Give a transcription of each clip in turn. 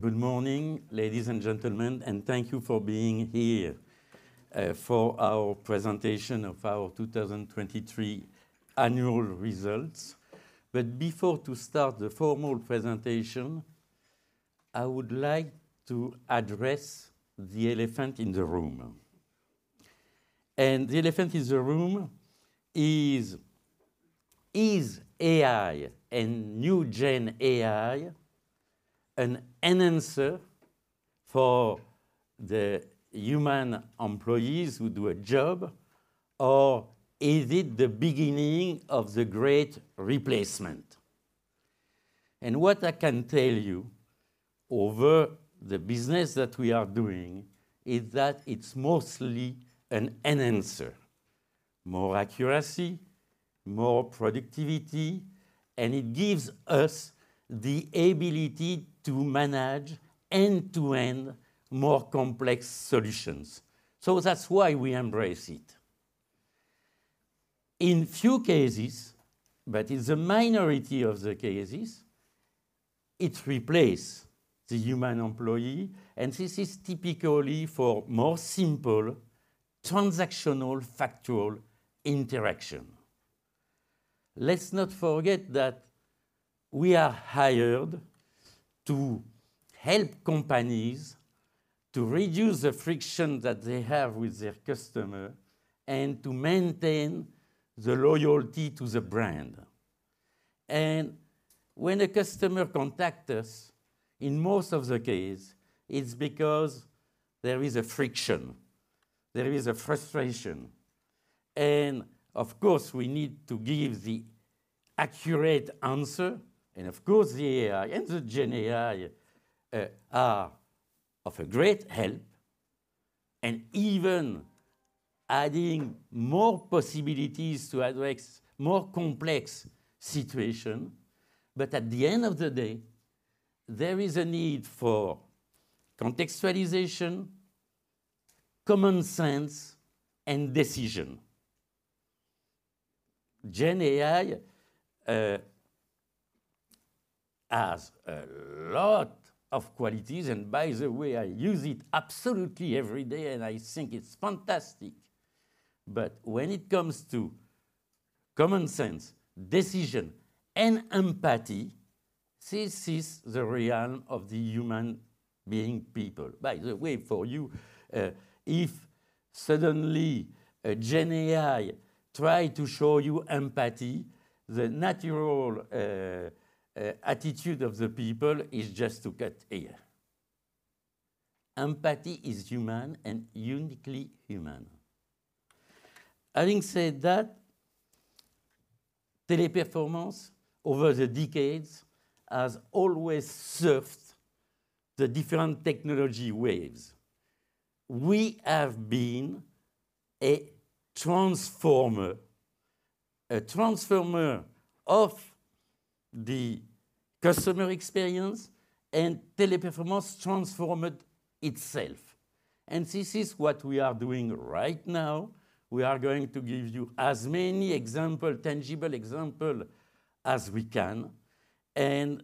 Good morning, ladies and gentlemen, and thank you for being here for our presentation of our 2023 annual results. But before to start the formal presentation, I would like to address the elephant in the room. And the elephant in the room is, is AI and new GenAI an enhancer for the human employees who do a job, or is it the beginning of the great replacement? And what I can tell you over the business that we are doing, is that it's mostly an enhancer. More accuracy, more productivity, and it gives us the ability to manage end-to-end, more complex solutions. So that's why we embrace it. In few cases, but it's a minority of the cases, it replace the human employee, and this is typically for more simple, transactional, factual interaction. Let's not forget that we are hired to help companies to reduce the friction that they have with their customer, and to maintain the loyalty to the brand. When a customer contact us, in most of the case, it's because there is a friction, there is a frustration. Of course, we need to give the accurate answer, and of course, the AI and the GenAI are of a great help, and even adding more possibilities to address more complex situation. But at the end of the day, there is a need for contextualization, common sense, and decision. GenAI has a lot of qualities, and by the way, I use it absolutely every day, and I think it's fantastic! But when it comes to common sense, decision, and empathy, this is the realm of the human being people. By the way, for you, if suddenly a GenAI try to show you empathy, the natural attitude of the people is just to get here. Empathy is human, and uniquely human. Having said that, Teleperformance over the decades, has always surfed the different technology waves. We have been a transformer. A transformer of the customer experience, and Teleperformance transformed itself. And this is what we are doing right now. We are going to give you as many example, tangible example, as we can. And,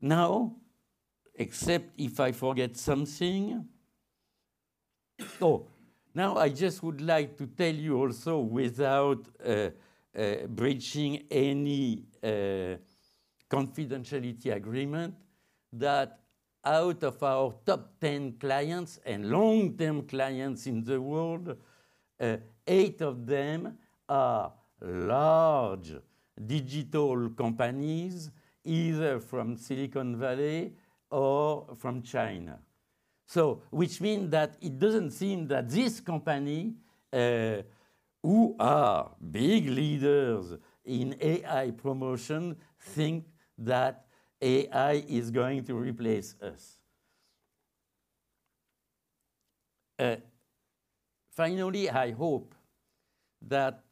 now, except if I forget something... Oh, now I just would like to tell you also, without breaching any confidentiality agreement, that out of our top 10 clients and long-term clients in the world, eight of them are large digital companies, either from Silicon Valley or from China. So, which mean that it doesn't seem that this company, who are big leaders in AI promotion, think that AI is going to replace us. Finally, I hope that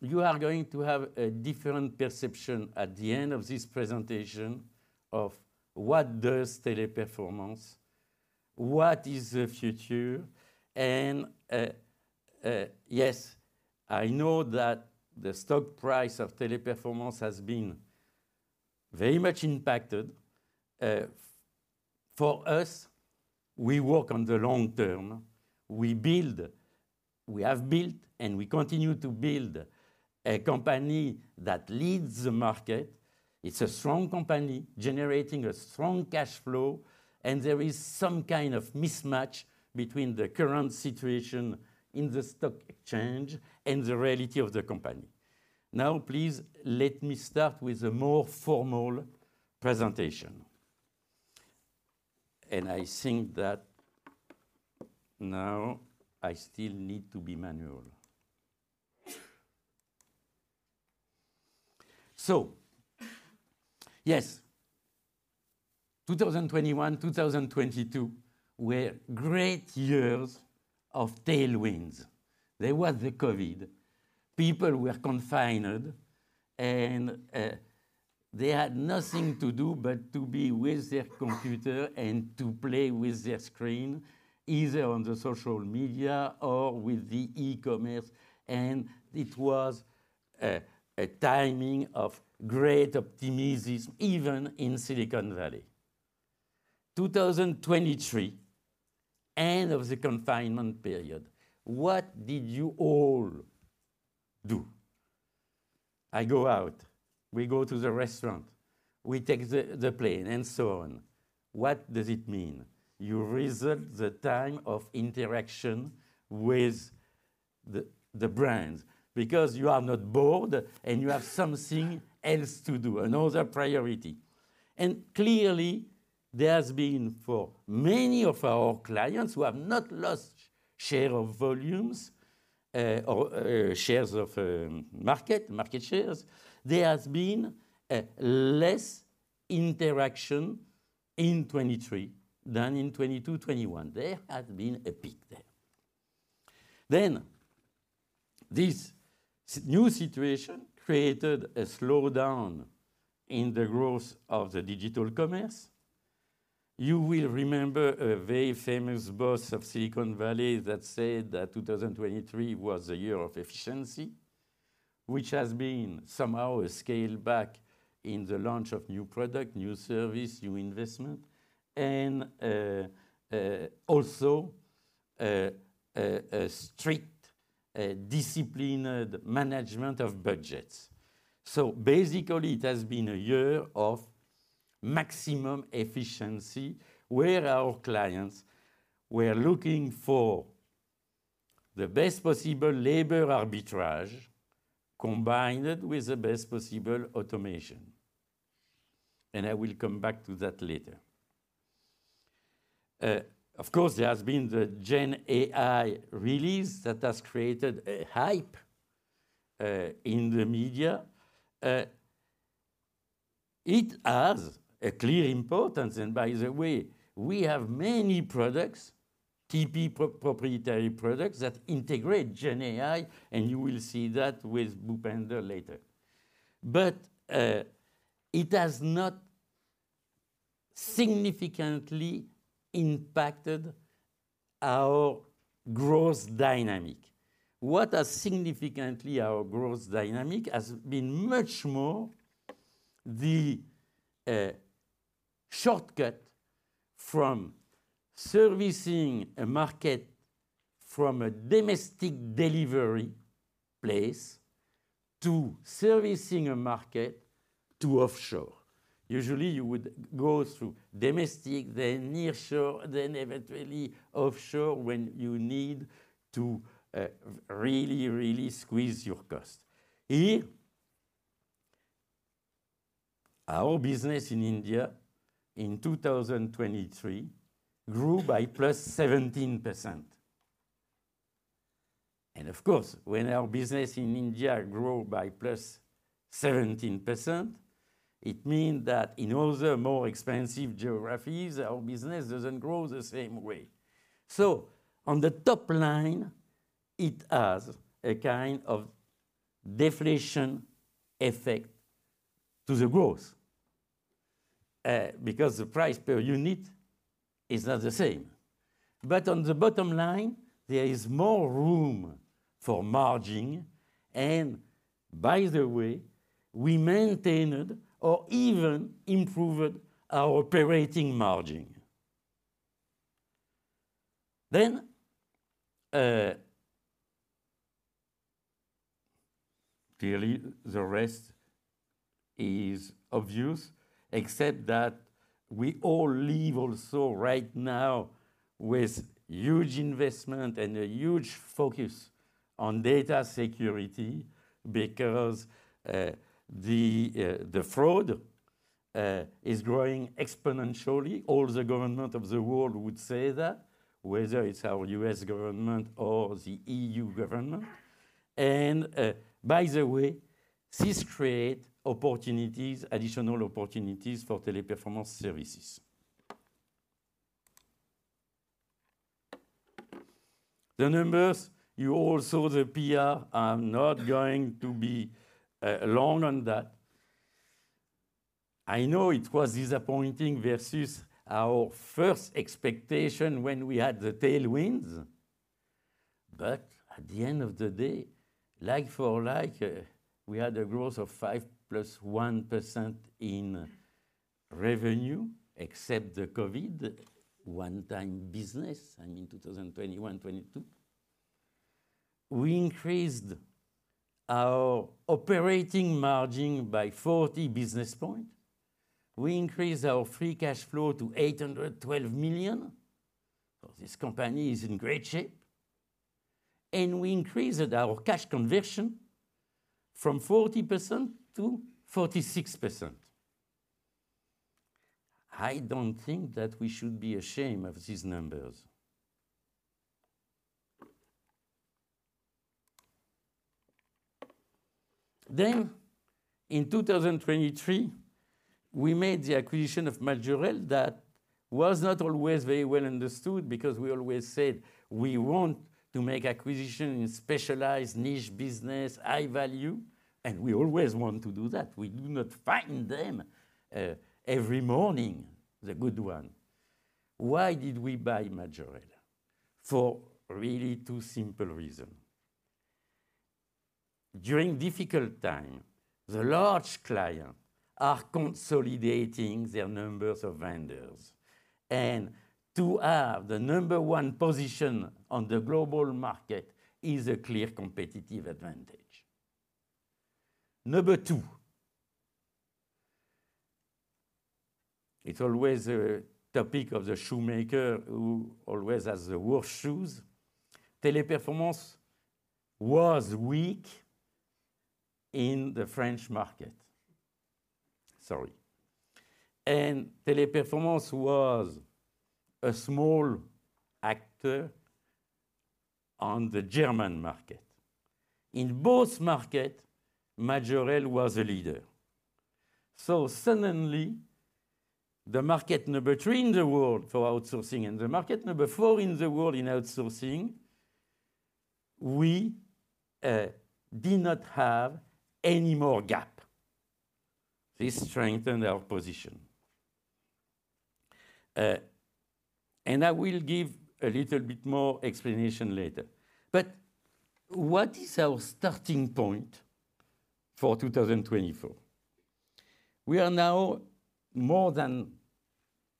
you are going to have a different perception at the end of this presentation, of what does Teleperformance, what is the future, and yes, I know that the stock price of Teleperformance has been very much impacted. For us, we work on the long term. We build, we have built, and we continue to build a company that leads the market. It's a strong company, generating a strong cash flow, and there is some kind of mismatch between the current situation in the stock exchange and the reality of the company. Now, please let me start with a more formal presentation. I think that now I still need to be manual. So, yes, 2021, 2022, were great years of tailwinds. There was the COVID. People were confined, and they had nothing to do but to be with their computer and to play with their screen, either on the social media or with the e-commerce, and it was a timing of great optimism, even in Silicon Valley.... 2023, end of the confinement period, what did you all do? I go out. We go to the restaurant, we take the plane, and so on. What does it mean? You reduce the time of interaction with the brands, because you are not bored and you have something else to do, another priority. Clearly, there has been, for many of our clients who have not lost share of volumes or shares of market, market shares, there has been less interaction in 2023 than in 2022, 2021. There has been a peak there. Then, this new situation created a slowdown in the growth of the digital commerce. You will remember a very famous boss of Silicon Valley that said that 2023 was the year of efficiency, which has been somehow a scale back in the launch of new product, new service, new investment, and also a strict disciplined management of budgets. So basically, it has been a year of maximum efficiency, where our clients were looking for the best possible labor arbitrage, combined with the best possible automation. And I will come back to that later. Of course, there has been the GenAI release that has created a hype in the media. It has a clear importance, and by the way, we have many products, TP proprietary products, that integrate GenAI, and you will see that with Bhupender later. But it has not significantly impacted our growth dynamic. What has significantly our growth dynamic has been much more the shortcut from servicing a market from a domestic delivery place to servicing a market to offshore. Usually, you would go through domestic, then nearshore, then eventually offshore, when you need to really, really squeeze your cost. Here, our business in India in 2023 grew by +17%. And of course, when our business in India grow by +17%, it mean that in other more expensive geographies, our business doesn't grow the same way. So on the top line, it has a kind of deflation effect to the growth, because the price per unit is not the same. But on the bottom line, there is more room for margin, and by the way, we maintained or even improved our operating margin. Then, clearly, the rest is obvious, except that we all live also right now with huge investment and a huge focus on data security, because the fraud is growing exponentially. All the government of the world would say that, whether it's our U.S. government or the EU government. And, by the way, this create opportunities, additional opportunities for Teleperformance services. The numbers, you all saw the PR, I'm not going to be long on that. I know it was disappointing versus our first expectation when we had the tailwinds, but at the end of the day, like for like, we had a growth of 5 + 1% in revenue, except the COVID one-time business, I mean, 2021, 2022. We increased our operating margin by 40 basis points. We increased our free cash flow to 812 million. So this company is in great shape. We increased our cash conversion from 40% to 46%. I don't think that we should be ashamed of these numbers. Then, in 2023, we made the acquisition of Majorel. That was not always very well understood, because we always said we want to make acquisition in specialized niche business, high value, and we always want to do that. We do not find them every morning, the good one. Why did we buy Majorel? For really two simple reason.... During difficult time, the large client are consolidating their numbers of vendors. And to have the number one position on the global market is a clear competitive advantage. Number two, it's always a topic of the shoemaker who always has the worst shoes. Teleperformance was weak in the French market. Sorry. And Teleperformance was a small actor on the German market. In both market, Majorel was a leader. So suddenly, the market number three in the world for outsourcing, and the market number four in the world in outsourcing, we did not have any more gap. This strengthened our position. And I will give a little bit more explanation later. But what is our starting point for 2024? We are now more than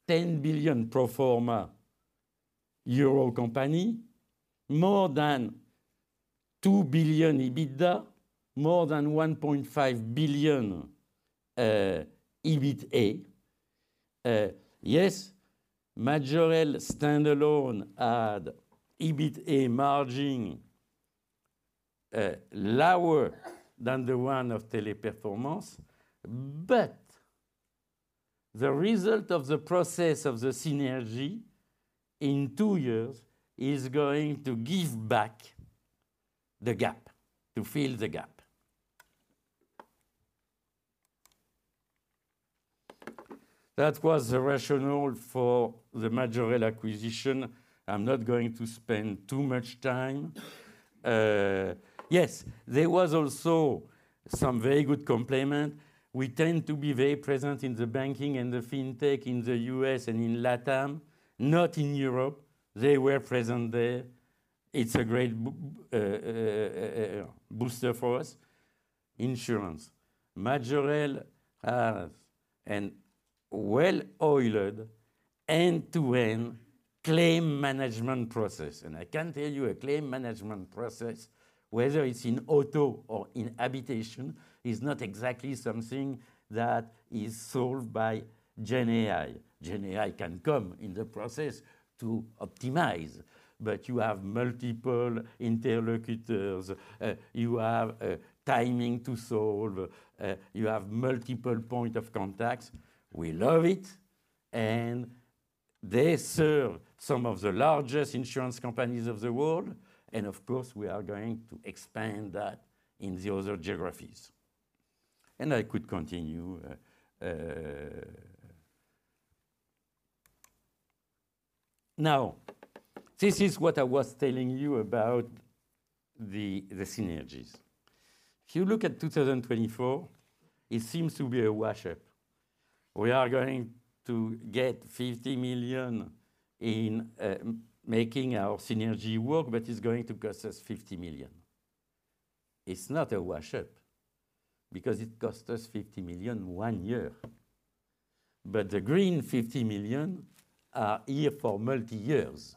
10 billion pro forma euro company, more than 2 billion EBITDA, more than 1.5 billion EBITA. Yes, Majorel standalone had EBITA margin lower than the one of Teleperformance, but the result of the process of the synergy in two years is going to give back the gap, to fill the gap. That was the rationale for the Majorel acquisition. I'm not going to spend too much time. Yes, there was also some very good complement. We tend to be very present in the banking and the fintech in the U.S. and in LATAM, not in Europe. They were present there. It's a great booster for us. Insurance. Majorel has a well-oiled, end-to-end claim management process, and I can tell you, a claim management process, whether it's in auto or in habitation, is not exactly something that is solved by GenAI. GenAI can come in the process to optimize, but you have multiple interlocutors, you have timing to solve, you have multiple point of contacts. We love it, and they serve some of the largest insurance companies of the world, and of course, we are going to expand that in the other geographies. And I could continue... Now, this is what I was telling you about the, the synergies. If you look at 2024, it seems to be a wash. We are going to get 50 million in making our synergy work, but it's going to cost us 50 million. It's not a wash-up, because it cost us 50 million one year, but the green 50 million are here for multi years.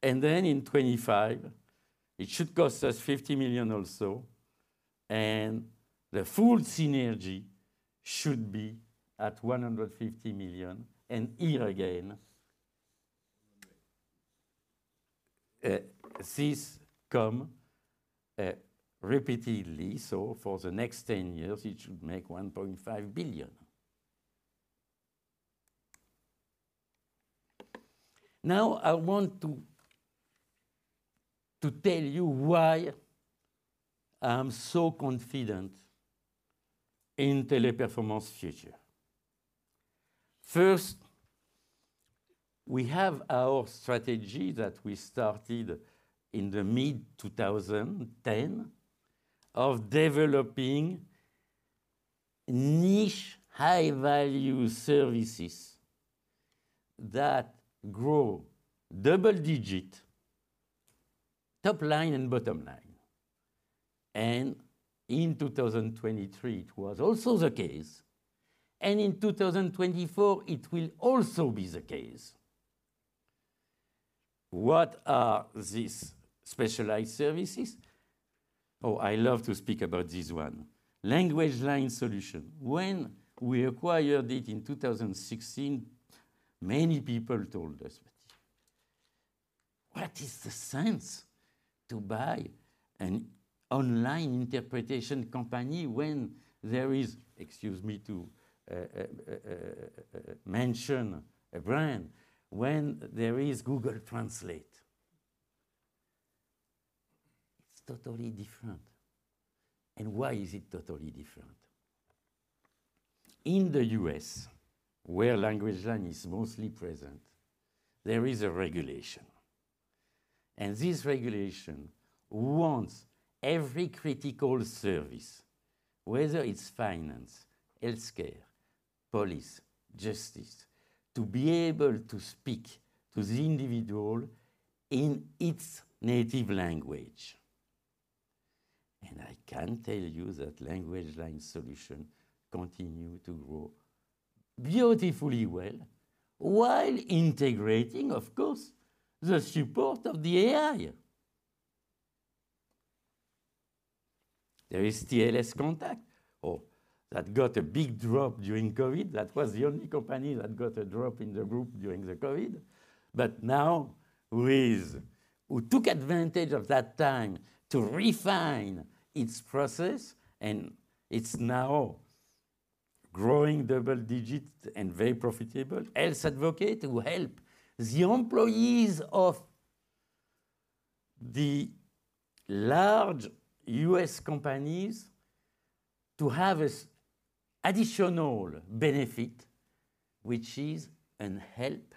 Then in 2025, it should cost us 50 million or so, and the full synergy should be at 150 million, and here again, this come, repeatedly, so for the next 10 years, it should make 1.5 billion. Now, I want to, to tell you why I'm so confident in Teleperformance future. First, we have our strategy that we started in the mid-2010, of developing niche, high-value services that grow double-digit, top line and bottom line. And in 2023, it was also the case, and in 2024, it will also be the case. What are these specialized services? Oh, I love to speak about this one. LanguageLine Solutions. When we acquired it in 2016, many people told us, "What is the sense to buy an online interpretation company when there is..." Excuse me to mention a brand, "... when there is Google Translate?" It's totally different. And why is it totally different? In the U.S., where LanguageLine Solutions is mostly present, there is a regulation, and this regulation wants every critical service, whether it's finance, healthcare, police, justice, to be able to speak to the individual in its native language. And I can tell you that LanguageLine Solutions continue to grow beautifully well, while integrating, of course, the support of the AI! There is TLScontact, oh, that got a big drop during COVID. That was the only company that got a drop in the group during the COVID. But now, who took advantage of that time to refine its process, and it's now growing double digit and very profitable. Health Advocate, who help the employees of the large U.S. companies to have a additional benefit, which is a help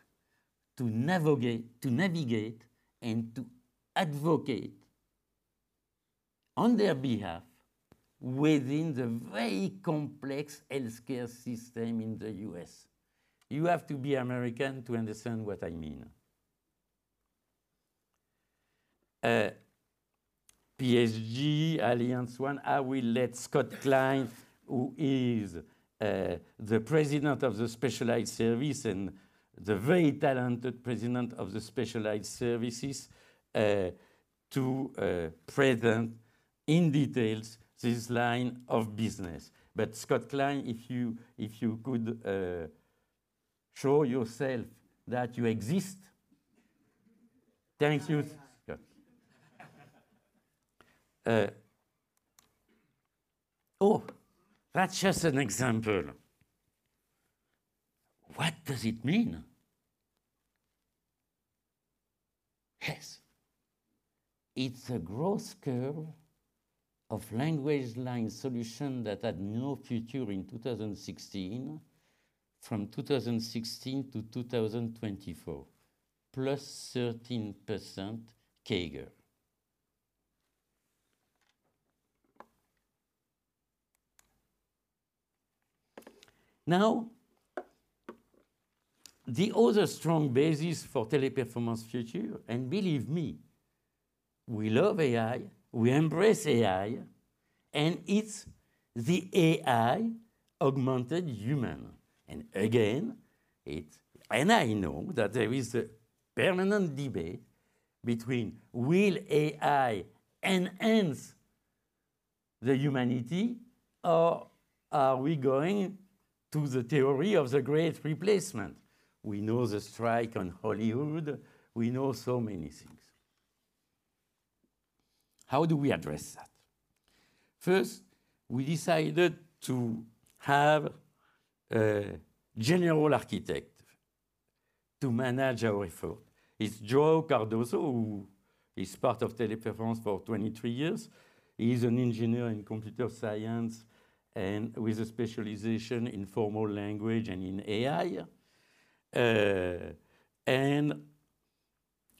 to navigate, to navigate and to advocate on their behalf within the very complex healthcare system in the U.S. You have to be American to understand what I mean. PSG, AllianceOne, I will let Scott Klein, who is the President of the Specialized Services and the very talented President of the Specialized Services, to present in details this line of business. But Scott Klein, if you could show yourself that you exist. Thank you, Scott. Oh, that's just an example. What does it mean? Yes, it's a growth curve of LanguageLine Solutions that had no future in 2016, from 2016 to 2024, +13% CAGR. Now, the other strong basis for Teleperformance future, and believe me, we love AI, we embrace AI, and it's the AI augmented human. And again, I know that there is a permanent debate between will AI enhance the humanity, or are we going to the theory of the great replacement? We know the strike on Hollywood, we know so many things. How do we address that? First, we decided to have a general architect to manage our effort. It's João Cardoso, who is part of Teleperformance for 23 years. He's an engineer in computer science and with a specialization in formal language and in AI. And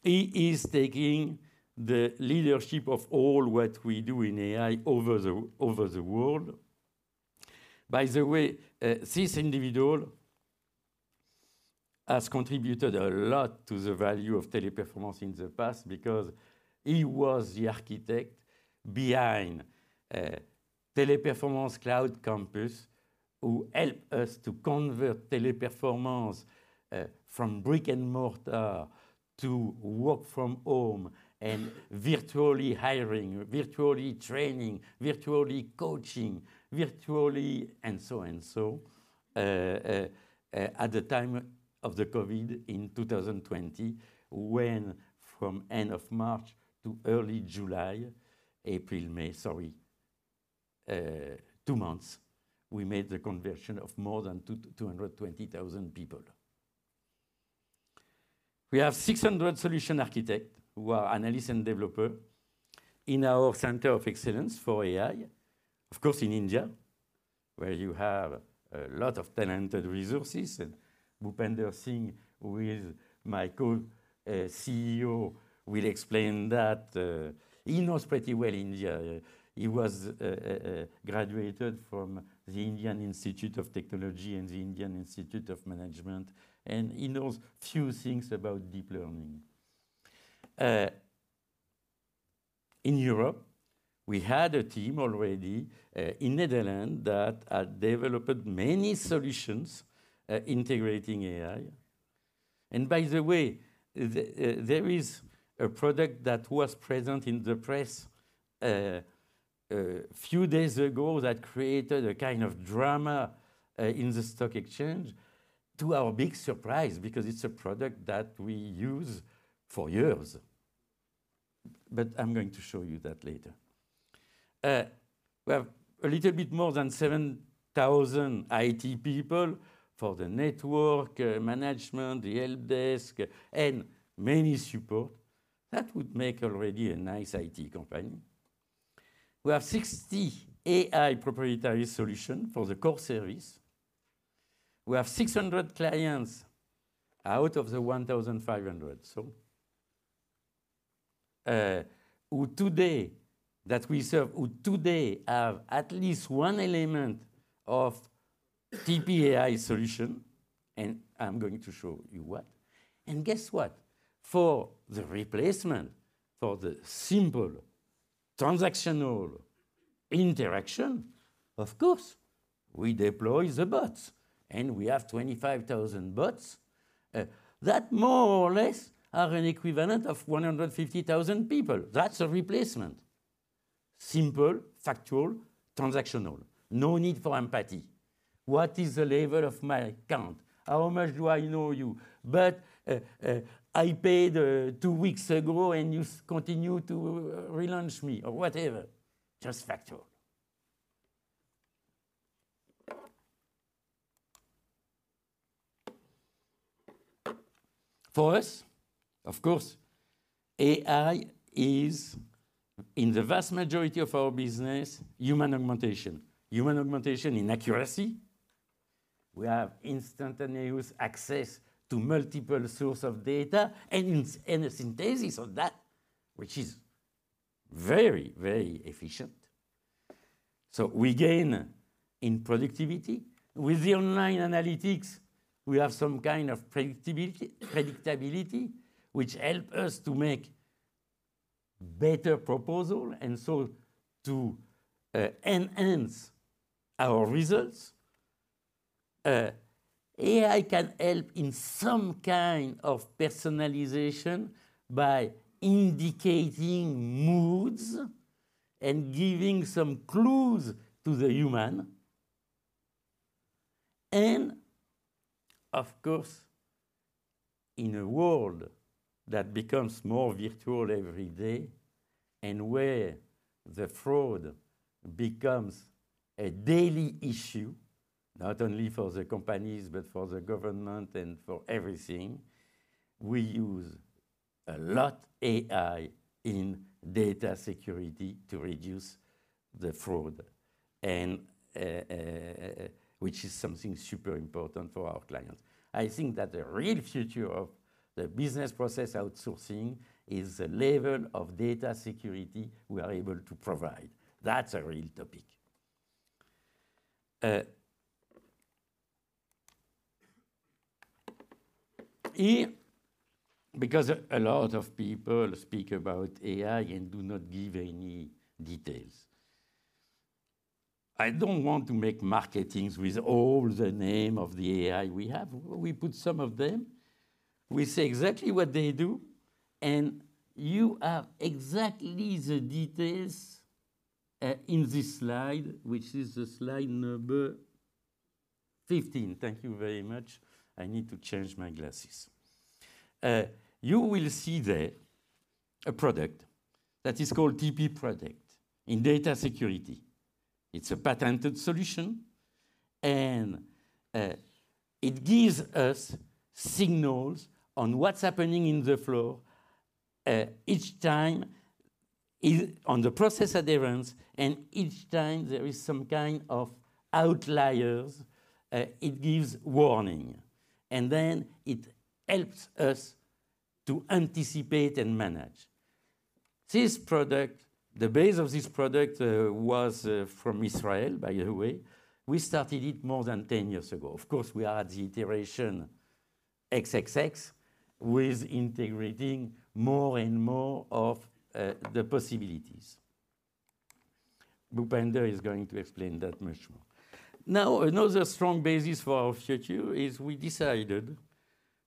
he is taking the leadership of all what we do in AI over the world. By the way, this individual has contributed a lot to the value of Teleperformance in the past, because he was the architect behind Teleperformance Cloud Campus, who helped us to convert Teleperformance from brick and mortar to work from home, and virtually hiring, virtually training, virtually coaching, virtually... and so and so. At the time of the COVID in 2020, when from end of March to early July, April, May, sorry, two months, we made the conversion of more than 220,000 people. We have 600 solution architect, who are analysts and developer in our center of excellence for AI. Of course, in India, where you have a lot of talented resources, and Bhupender Singh, who is my co-CEO, will explain that. He knows pretty well India. He was graduated from the Indian Institute of Technology and the Indian Institute of Management, and he knows few things about deep learning. In Europe, we had a team already in Netherlands that had developed many solutions integrating AI. And by the way, there is a product that was present in the press few days ago that created a kind of drama in the stock exchange, to our big surprise, because it's a product that we use for years. But I'm going to show you that later. We have a little bit more than 7,000 IT people for the network management, the helpdesk, and many support. That would make already a nice IT company. We have 60 AI proprietary solution for the core service. We have 600 clients out of the 1,500 who today that we serve who today have at least one element of TP AI solution, and I'm going to show you what. And guess what? For the replacement, for the simple transactional interaction, of course, we deploy the bots, and we have 25,000 bots that more or less are an equivalent of 150,000 people. That's a replacement. Simple, factual, transactional. No need for empathy. What is the level of my account? How much do I owe you? But I paid two weeks ago, and you continue to relaunch me or whatever. Just factual. For us, of course, AI is, in the vast majority of our business, human augmentation. Human augmentation in accuracy. We have instantaneous access to multiple source of data and a synthesis of that, which is very, very efficient. So we gain in productivity. With the online analytics, we have some kind of predictability, predictability, which help us to make better proposal, and so to enhance our results. AI can help in some kind of personalization by indicating moods and giving some clues to the human. And of course, in a world that becomes more virtual every day, and where the fraud becomes a daily issue, not only for the companies, but for the government and for everything, we use a lot AI in data security to reduce the fraud, and which is something super important for our clients. I think that the real future of the business process outsourcing is the level of data security we are able to provide. That's a real topic. Here, because a lot of people speak about AI and do not give any details, I don't want to make marketings with all the name of the AI we have. We put some of them. We say exactly what they do, and you have exactly the details in this slide, which is the slide number 15. Thank you very much. I need to change my glasses. You will see there a product that is called TP Protect in data security. It's a patented solution, and it gives us signals on what's happening in the flow, each time it, on the process that it runs, and each time there is some kind of outliers, it gives warning, and then it helps us to anticipate and manage. This product, the base of this product, was from Israel, by the way. We started it more than 10 years ago. Of course, we are at the iteration XXX, with integrating more and more of the possibilities. Bhupender is going to explain that much more. Now, another strong basis for our future is we decided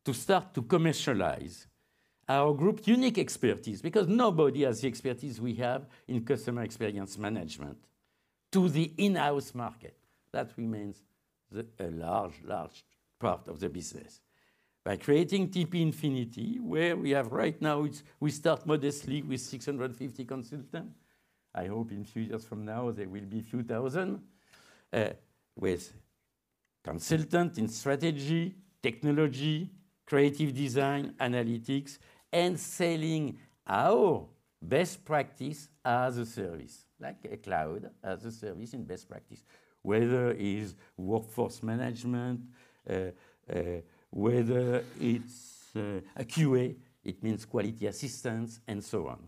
to start to commercialize our group's unique expertise, because nobody has the expertise we have in customer experience management, to the in-house market. That remains the, a large, large part of the business. By creating TP Infinity, where we have right now, it's we start modestly with 650 consultants. I hope in few years from now, there will be a few thousand with consultants in strategy, technology, creative design, analytics, and selling our best practice as a service, like a cloud as a service and best practice, whether it is workforce management, whether it's a QA, it means quality assurance, and so on.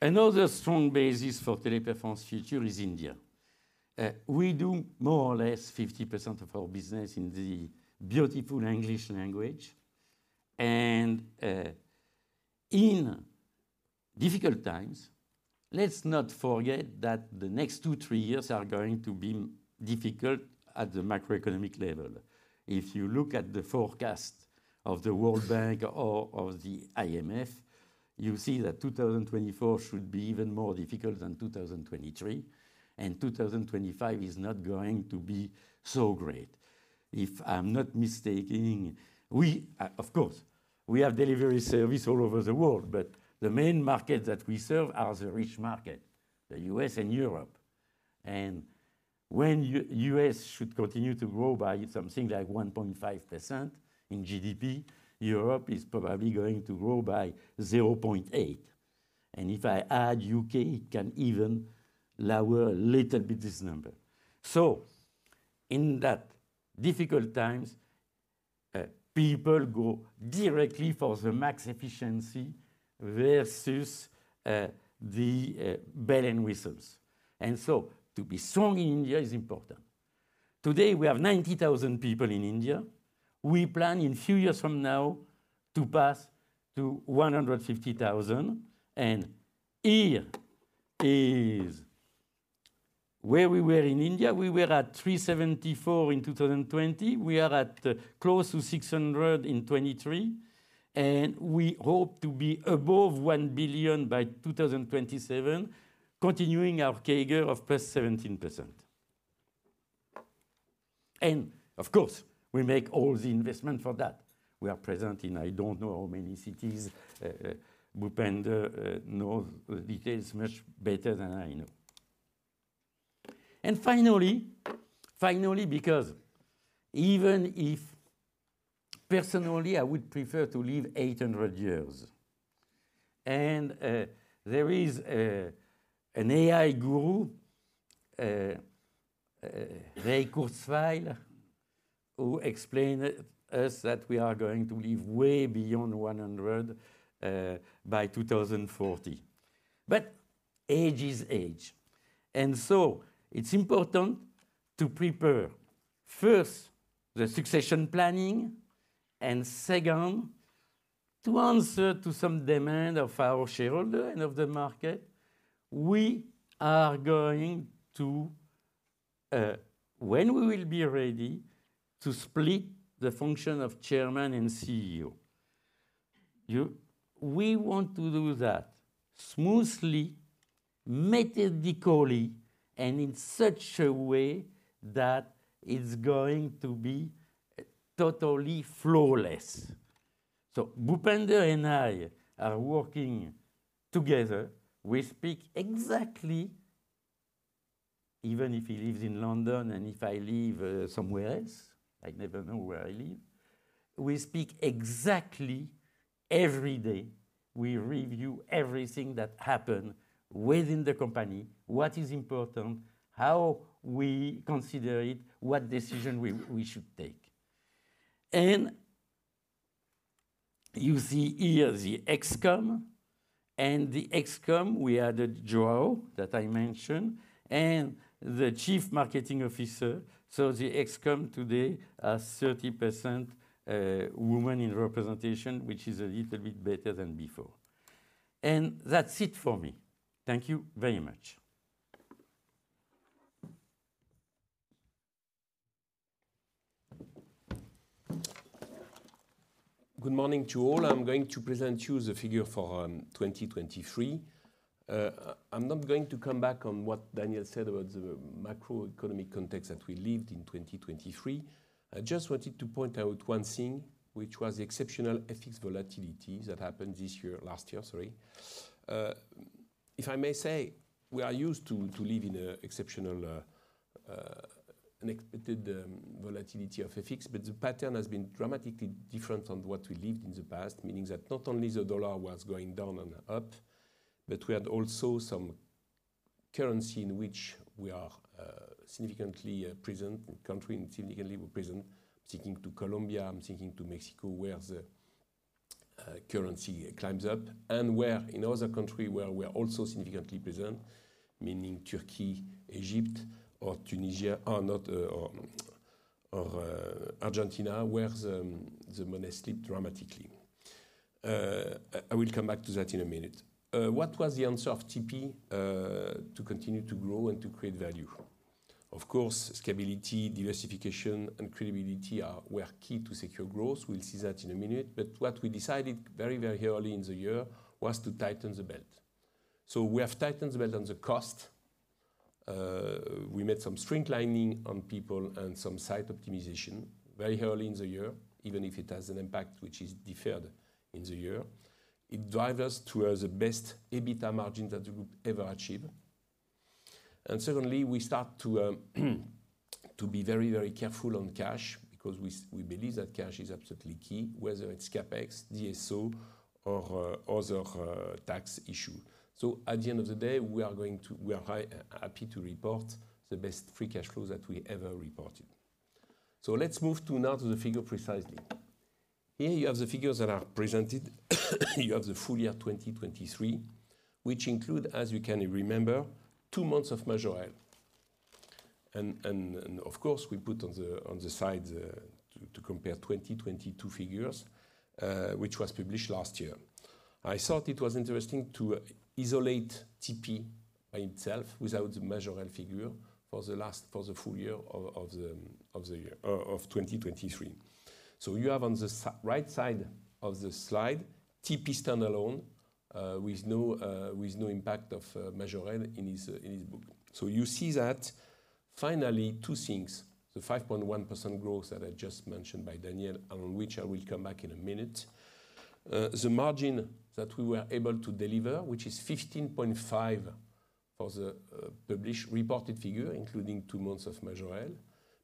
Another strong basis for Teleperformance future is India. We do more or less 50% of our business in the beautiful English language. In difficult times, let's not forget that the next 2-3 years are going to be difficult at the macroeconomic level. If you look at the forecast of the World Bank or the IMF, you see that 2024 should be even more difficult than 2023, and 2025 is not going to be so great. If I'm not mistaken, we, of course, we have delivery service all over the world, but the main markets that we serve are the rich market, the U.S. and Europe. And when U.S. should continue to grow by something like 1.5% in GDP, Europe is probably going to grow by 0.8.... and if I add U.K., it can even lower a little bit this number. So in that difficult times, people go directly for the max efficiency versus, the, bell and whistles. And so to be strong in India is important. Today, we have 90,000 people in India. We plan in a few years from now to pass to 150,000, and here is where we were in India. We were at 374 in 2020. We are at close to 600 in 2023, and we hope to be above 1 billion by 2027, continuing our CAGR of +17%. Of course, we make all the investment for that. We are present in I don't know how many cities. Bhupender knows the details much better than I know. Finally, finally, because even if personally, I would prefer to live 800 years, and there is an AI guru, Ray Kurzweil, who explained to us that we are going to live way beyond 100 by 2040. But age is age, and so it's important to prepare, first, the succession planning, and second, to answer to some demand of our shareholder and of the market. We are going to, when we will be ready, to split the function of chairman and CEO. You... We want to do that smoothly, methodically, and in such a way that it's going to be totally flawless. So Bhupender and I are working together. We speak exactly, even if he lives in London and if I live, somewhere else, I never know where I live. We speak exactly every day. We review everything that happened within the company, what is important, how we consider it, what decision we should take. And you see here the ExCom, and the ExCom, we added João, that I mentioned, and the chief marketing officer. So the ExCom today has 30% women in representation, which is a little bit better than before. That's it for me. Thank you very much. Good morning to all. I'm going to present you the figure for 2023. I'm not going to come back on what Daniel said about the macroeconomic context that we lived in 2023. I just wanted to point out one thing, which was the exceptional FX volatility that happened this year, last year, sorry. If I may say, we are used to living in a exceptional unexpected volatility of FX, but the pattern has been dramatically different on what we lived in the past. Meaning that not only the dollar was going down and up, but we had also some currency in which we are significantly present, country significantly present. I'm thinking to Colombia, I'm thinking to Mexico, where the currency climbs up, and where in other country where we are also significantly present, meaning Turkey, Egypt or Tunisia, or Argentina, where the money slipped dramatically. I will come back to that in a minute. What was the answer of TP to continue to grow and to create value? Of course, stability, diversification, and credibility are, were key to secure growth. We'll see that in a minute. But what we decided very, very early in the year was to tighten the belt. So we have tightened the belt on the cost. We made some streamlining on people and some site optimization very early in the year, even if it has an impact which is deferred in the year. It drive us towards the best EBITDA margin that the group ever achieve. Secondly, we start to be very, very careful on cash, because we believe that cash is absolutely key, whether it's CapEx, DSO or other tax issue. So at the end of the day, we are happy to report the best free cash flow that we ever reported. So let's move now to the figure precisely. Here you have the figures that are presented. You have the full year 2023, which include, as you can remember, two months of Majorel. And of course, we put on the side to compare 2022 figures, which was published last year. I thought it was interesting to isolate TP by itself, without the Majorel figure, for the full year of 2023. So you have on the right side of the slide, TP standalone, with no impact of Majorel in his book. So you see that finally, two things, the 5.1% growth that I just mentioned by Daniel, and on which I will come back in a minute. The margin that we were able to deliver, which is 15.5% for the published reported figure, including two months of Majorel.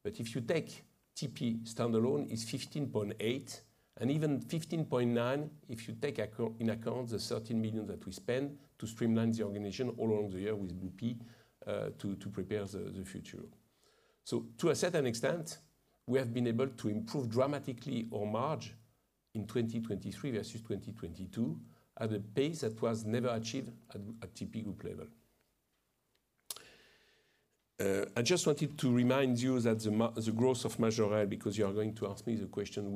But if you take TP standalone, it's 15.8, and even 15.9, if you take into account the 13 million that we spent to streamline the organization all along the year with BPO, to prepare the future. So to a certain extent, we have been able to improve dramatically our margin in 2023 versus 2022, at a pace that was never achieved at TP group level. I just wanted to remind you that the growth of Majorel, because you are going to ask me the question,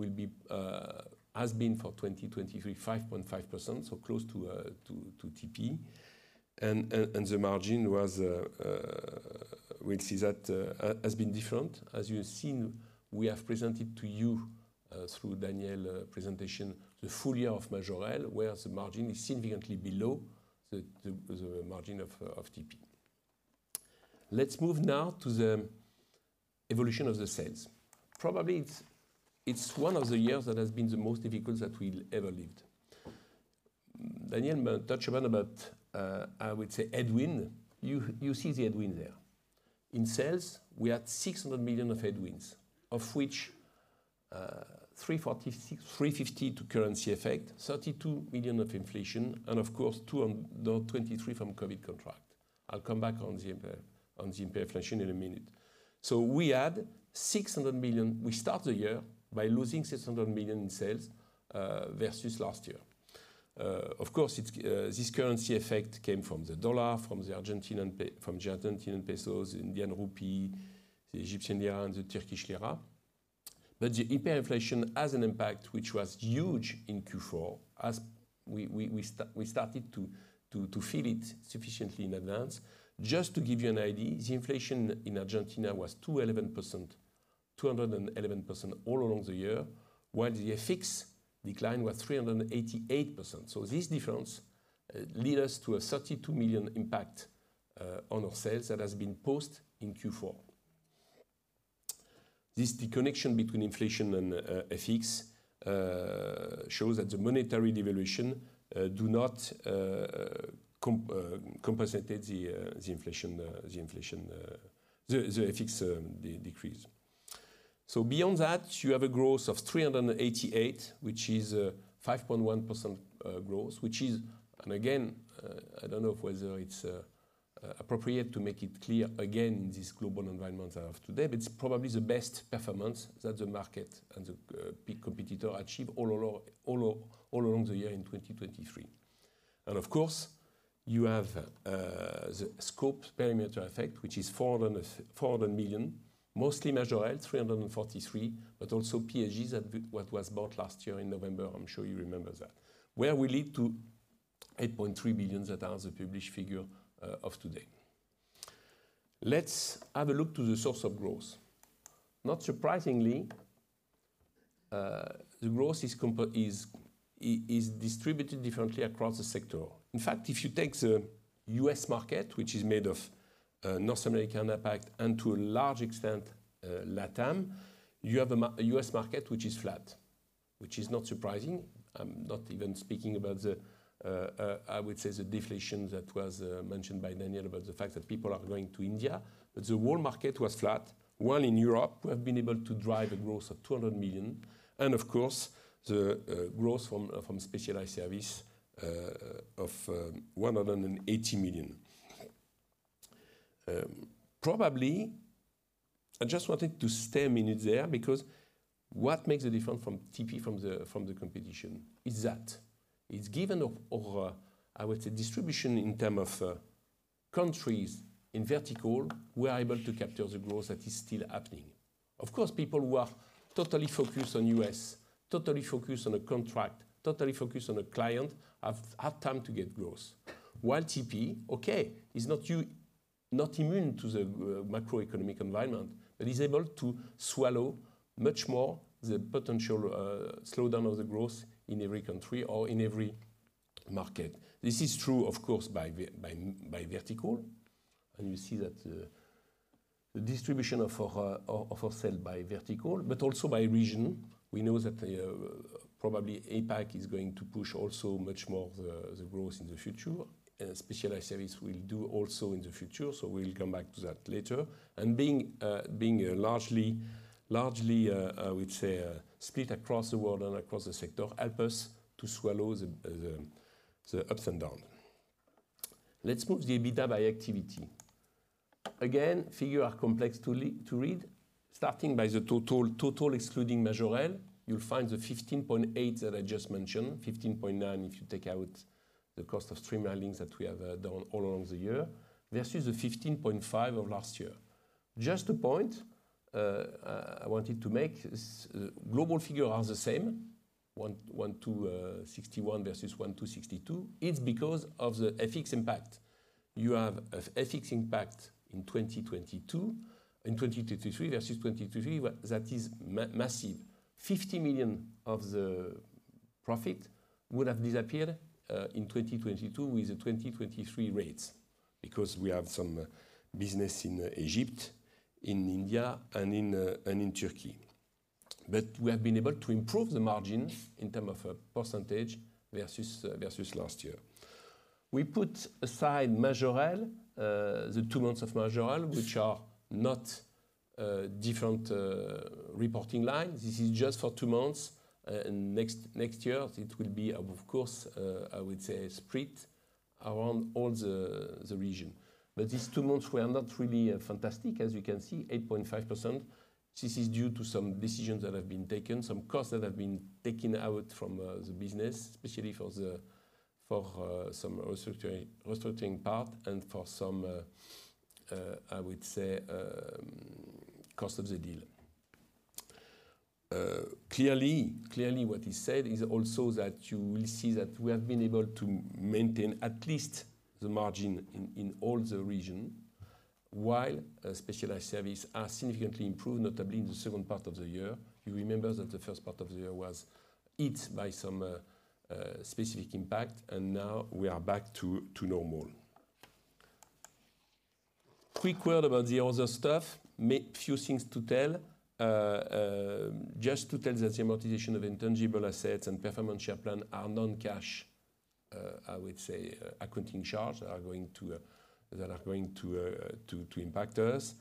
has been for 2023, 5.5%, so close to TP. And the margin was, we'll see that, has been different. As you've seen, we have presented to you through Daniel presentation, the full year of Majorel, where the margin is significantly below the, the, the margin of of TP. Let's move now to the evolution of the sales. Probably, it's, it's one of the years that has been the most difficult that we've ever lived. Daniel touched upon about, I would say, headwind. You, you see the headwind there. In sales, we had 600 million of headwinds, of which, 346-350 to currency effect, 32 million of inflation, and of course, 223 from COVID contract. I'll come back on the, on the inflation in a minute. So we had 600 million. We start the year by losing 600 million in sales versus last year. Of course, it's this currency effect came from the dollar, from the Argentine pesos, Indian rupee, the Egyptian lira, and the Turkish lira. But the hyperinflation has an impact, which was huge in Q4, as we started to feel it sufficiently in advance. Just to give you an idea, the inflation in Argentina was 211%, 211% all along the year, while the FX decline was 388%. So this difference lead us to a 32 million impact on our sales that has been posted in Q4. This disconnection between inflation and FX shows that the monetary devaluation do not compensated the the inflation the the FX decrease. So beyond that, you have a growth of 388 million, which is 5.1% growth, which is... And again, I don't know whether it's appropriate to make it clear again in this global environment as of today, but it's probably the best performance that the market and the big competitor achieve all along, all along the year in 2023. And of course, you have the scope perimeter effect, which is 400 million, mostly Majorel, 343 million, but also PSG, that what was bought last year in November. I'm sure you remember that. Where we lead to 8.3 billion that are the published figure of today. Let's have a look to the source of growth. Not surprisingly, the growth is distributed differently across the sector. In fact, if you take the U.S. market, which is made of North American impact and to a large extent LATAM, you have a U.S. market which is flat, which is not surprising. I'm not even speaking about the deflation that was mentioned by Daniel, about the fact that people are going to India. But the whole market was flat. While in Europe, we have been able to drive a growth of 200 million, and of course, the growth from specialized service of 180 million. Probably, I just wanted to stay a minute there, because what makes the difference from TP from the competition is that it's given of distribution in terms of countries. In vertical, we are able to capture the growth that is still happening. Of course, people who are totally focused on U.S., totally focused on a contract, totally focused on a client, have hard time to get growth. While TP, okay, is not immune to the macroeconomic environment, but is able to swallow much more the potential slowdown of the growth in every country or in every market. This is true, of course, by vertical. And you see that the distribution of our sales by vertical, but also by region. We know that probably APAC is going to push also much more the growth in the future. And specialized services will do also in the future, so we'll come back to that later. And being largely, I would say, split across the world and across the sector, help us to swallow the ups and down. Let's move the EBITDA by activity. Again, figures are complex to read. Starting by the total excluding Majorel, you'll find the 15.8% that I just mentioned, 15.9%, if you take out the cost of streamlining that we have done all along the year, versus the 15.5% of last year. Just a point I wanted to make is global figures are the same, 1,126.1 million versus 1,262 million. It's because of the FX impact. You have a FX impact in 2022, in 2023 versus 2023, that is massive. 50 million of the profit would have disappeared in 2022 with the 2023 rates, because we have some business in Egypt, in India, and in Turkey. But we have been able to improve the margin in terms of percentage versus last year. We put aside Majorel, the two months of Majorel, which are not different reporting lines. This is just for two months. And next year, it will be of course spread around all the region. But these two months were not really fantastic, as you can see, 8.5%. This is due to some decisions that have been taken, some costs that have been taken out from the business, especially for some restructuring part and for some, I would say, cost of the deal. Clearly, what is said is also that you will see that we have been able to maintain at least the margin in all the region, while specialized services are significantly improved, notably in the second part of the year. You remember that the first part of the year was hit by some specific impact, and now we are back to normal. Quick word about the other stuff. Few things to tell. Just to tell that the amortization of intangible assets and performance share plan are non-cash, I would say, accounting charges are going to. that are going to to impact us.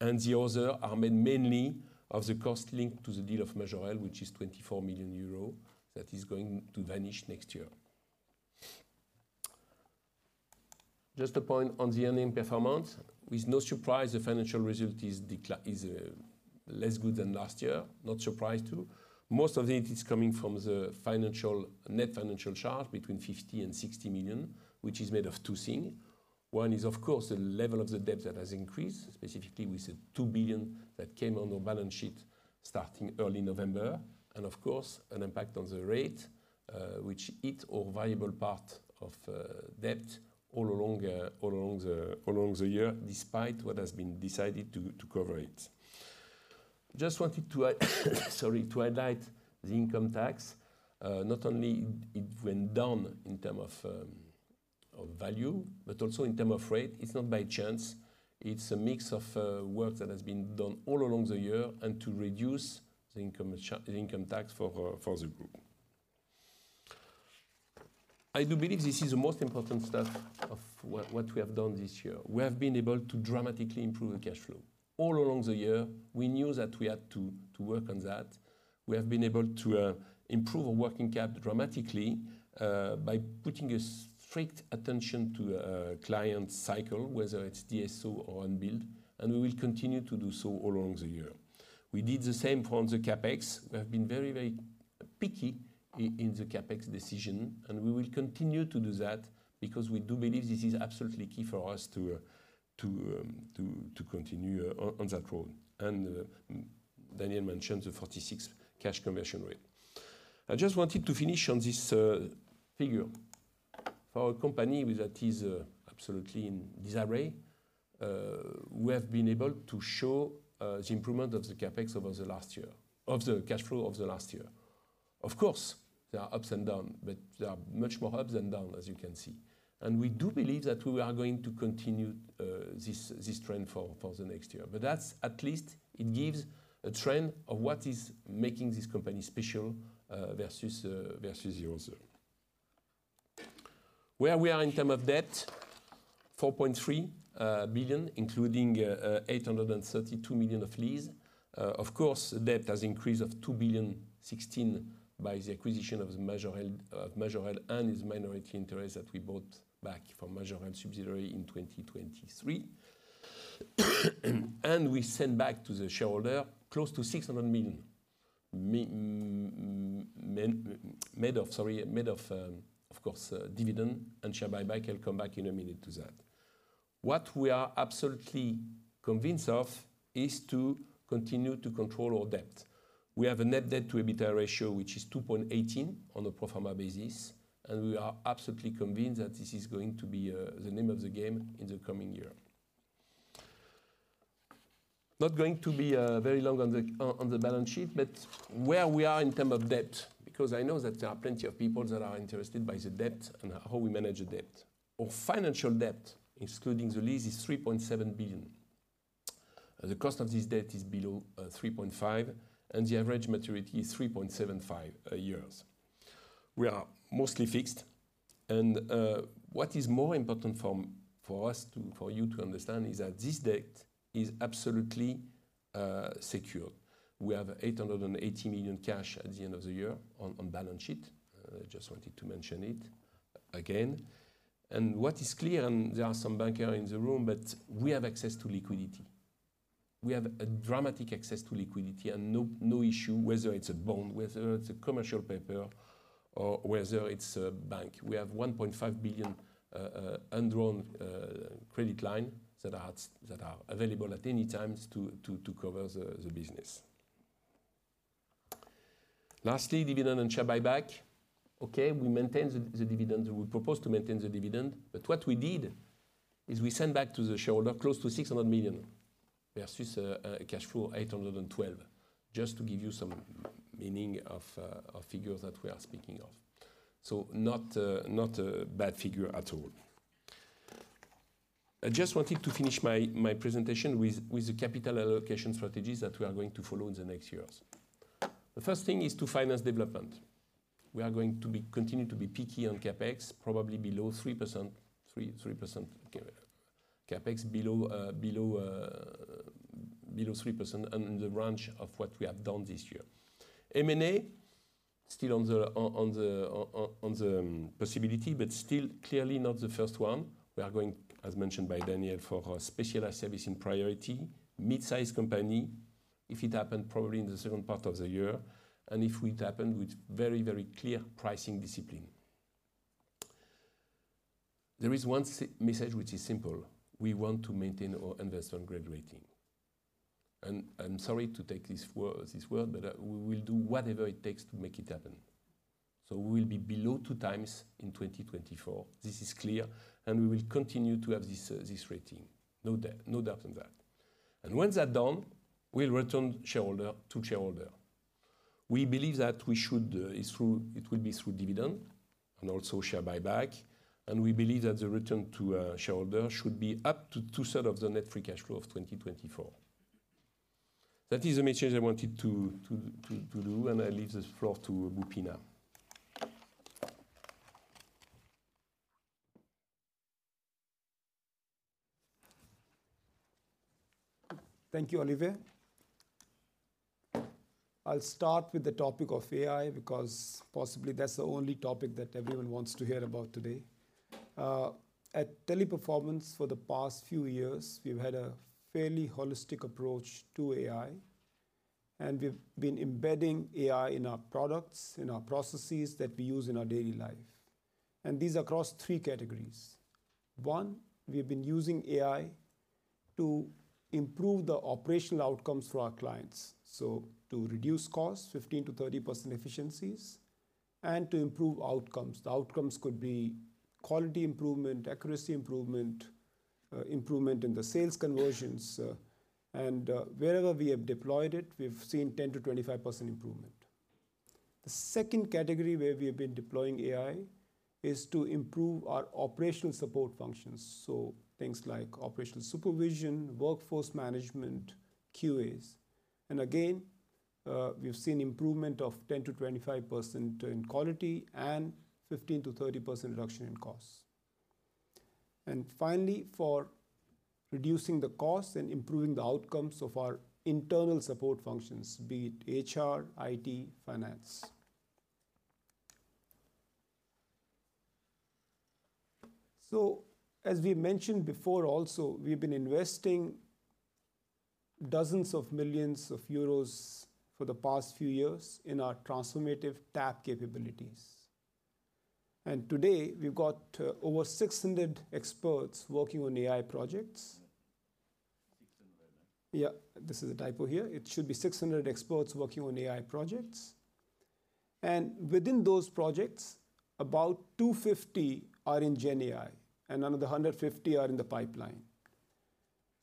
And the other are mainly of the cost linked to the deal of Majorel, which is 24 million euro, that is going to vanish next year. Just a point on the earning performance. With no surprise, the financial result is less good than last year. Not surprised too. Most of it is coming from the net financial charge between 50 million and 60 million, which is made of two thing. One is, of course, the level of the debt that has increased, specifically with the 2 billion that came on our balance sheet starting early November, and of course, an impact on the rate, which hit a variable part of debt all along the year, despite what has been decided to cover it. Just wanted to, sorry, to highlight the income tax. Not only it went down in terms of value, but also in terms of rate. It's not by chance. It's a mix of work that has been done all along the year and to reduce the income tax for the group. I do believe this is the most important stuff of what we have done this year. We have been able to dramatically improve the cash flow. All along the year, we knew that we had to work on that. We have been able to improve our working cap dramatically by putting a strict attention to client cycle, whether it's DSO or unbilled, and we will continue to do so all along the year. We did the same for the CapEx. We have been very, very picky in the CapEx decision, and we will continue to do that because we do believe this is absolutely key for us to continue on that road. Daniel mentioned the 46 cash conversion rate. I just wanted to finish on this figure. For a company that is absolutely in disarray, we have been able to show the improvement of the CapEx over the last year, of the cash flow of the last year. Of course, there are ups and down, but there are much more ups than down, as you can see. We do believe that we are going to continue this trend for the next year. But that's at least it gives a trend of what is making this company special versus the others. Where we are in terms of debt, 4.3 billion, including 832 million of lease. Of course, debt has increased of 2.016 billion by the acquisition of Majorel, Majorel and its minority interest that we bought back from Majorel subsidiary in 2023. And we send back to the shareholder close to 600 million made of dividend and share buyback. I'll come back in a minute to that. What we are absolutely convinced of is to continue to control our debt. We have a net debt to EBITDA ratio, which is 2.18 on a pro forma basis, and we are absolutely convinced that this is going to be the name of the game in the coming year. Not going to be very long on the balance sheet, but where we are in terms of debt, because I know that there are plenty of people that are interested in the debt and how we manage the debt. Our financial debt, excluding the lease, is 3.7 billion. The cost of this debt is below 3.5%, and the average maturity is 3.75 years. We are mostly fixed. What is more important for us to—for you to understand is that this debt is absolutely secure. We have 880 million cash at the end of the year on balance sheet. Just wanted to mention it again. What is clear, and there are some banker in the room, but we have access to liquidity. We have a dramatic access to liquidity and no, no issue, whether it's a bond, whether it's a commercial paper, or whether it's a bank. We have 1.5 billion undrawn credit line that are, that are available at any time to, to, to cover the, the business. Lastly, dividend and share buyback. Okay, we maintain the, the dividend. We propose to maintain the dividend, but what we did, is we send back to the shareholder close to 600 million versus cash flow 812 million, just to give you some meaning of, of figures that we are speaking of. So not a, not a bad figure at all... I just wanted to finish my, my presentation with, with the capital allocation strategies that we are going to follow in the next years. The first thing is to finance development. We are going to continue to be picky on CapEx, probably below 3% on the range of what we have done this year. M&A, still on the possibility, but still clearly not the first one. We are going, as mentioned by Daniel, for our specialized service in priority, mid-sized company, if it happened, probably in the second part of the year, and if it happened, with very, very clear pricing discipline. There is one simple message, which is simple: we want to maintain our investment grade rating. And I'm sorry to use this word, but we will do whatever it takes to make it happen. So we will be below 2x in 2024. This is clear, and we will continue to have this rating. No doubt on that. When that done, we'll return shareholder to shareholder. We believe that we should. It will be through dividend and also share buyback, and we believe that the return to shareholder should be up to 2/3 of the net free cash flow of 2024. That is the message I wanted to do, and I leave the floor to Bhupender. Thank you, Olivier. I'll start with the topic of AI, because possibly that's the only topic that everyone wants to hear about today. At Teleperformance, for the past few years, we've had a fairly holistic approach to AI, and we've been embedding AI in our products, in our processes that we use in our daily life, and these are across three categories. One, we've been using AI to improve the operational outcomes for our clients, so to reduce costs, 15%-30% efficiencies, and to improve outcomes. The outcomes could be quality improvement, accuracy improvement, improvement in the sales conversions, and, wherever we have deployed it, we've seen 10%-25% improvement. The second category where we have been deploying AI is to improve our operational support functions, so things like operational supervision, workforce management, QAs. And again, we've seen improvement of 10%-25% in quality and 15%-30% reduction in costs. And finally, for reducing the costs and improving the outcomes of our internal support functions, be it HR, IT, finance. So, as we mentioned before, also, we've been investing dozens of millions EUR for the past few years in our transformative TAP capabilities. And today, we've got over 600 experts working on AI projects. Six hundred. Yeah, this is a typo here. It should be 600 experts working on AI projects. And within those projects, about 250 are in GenAI, and another 150 are in the pipeline.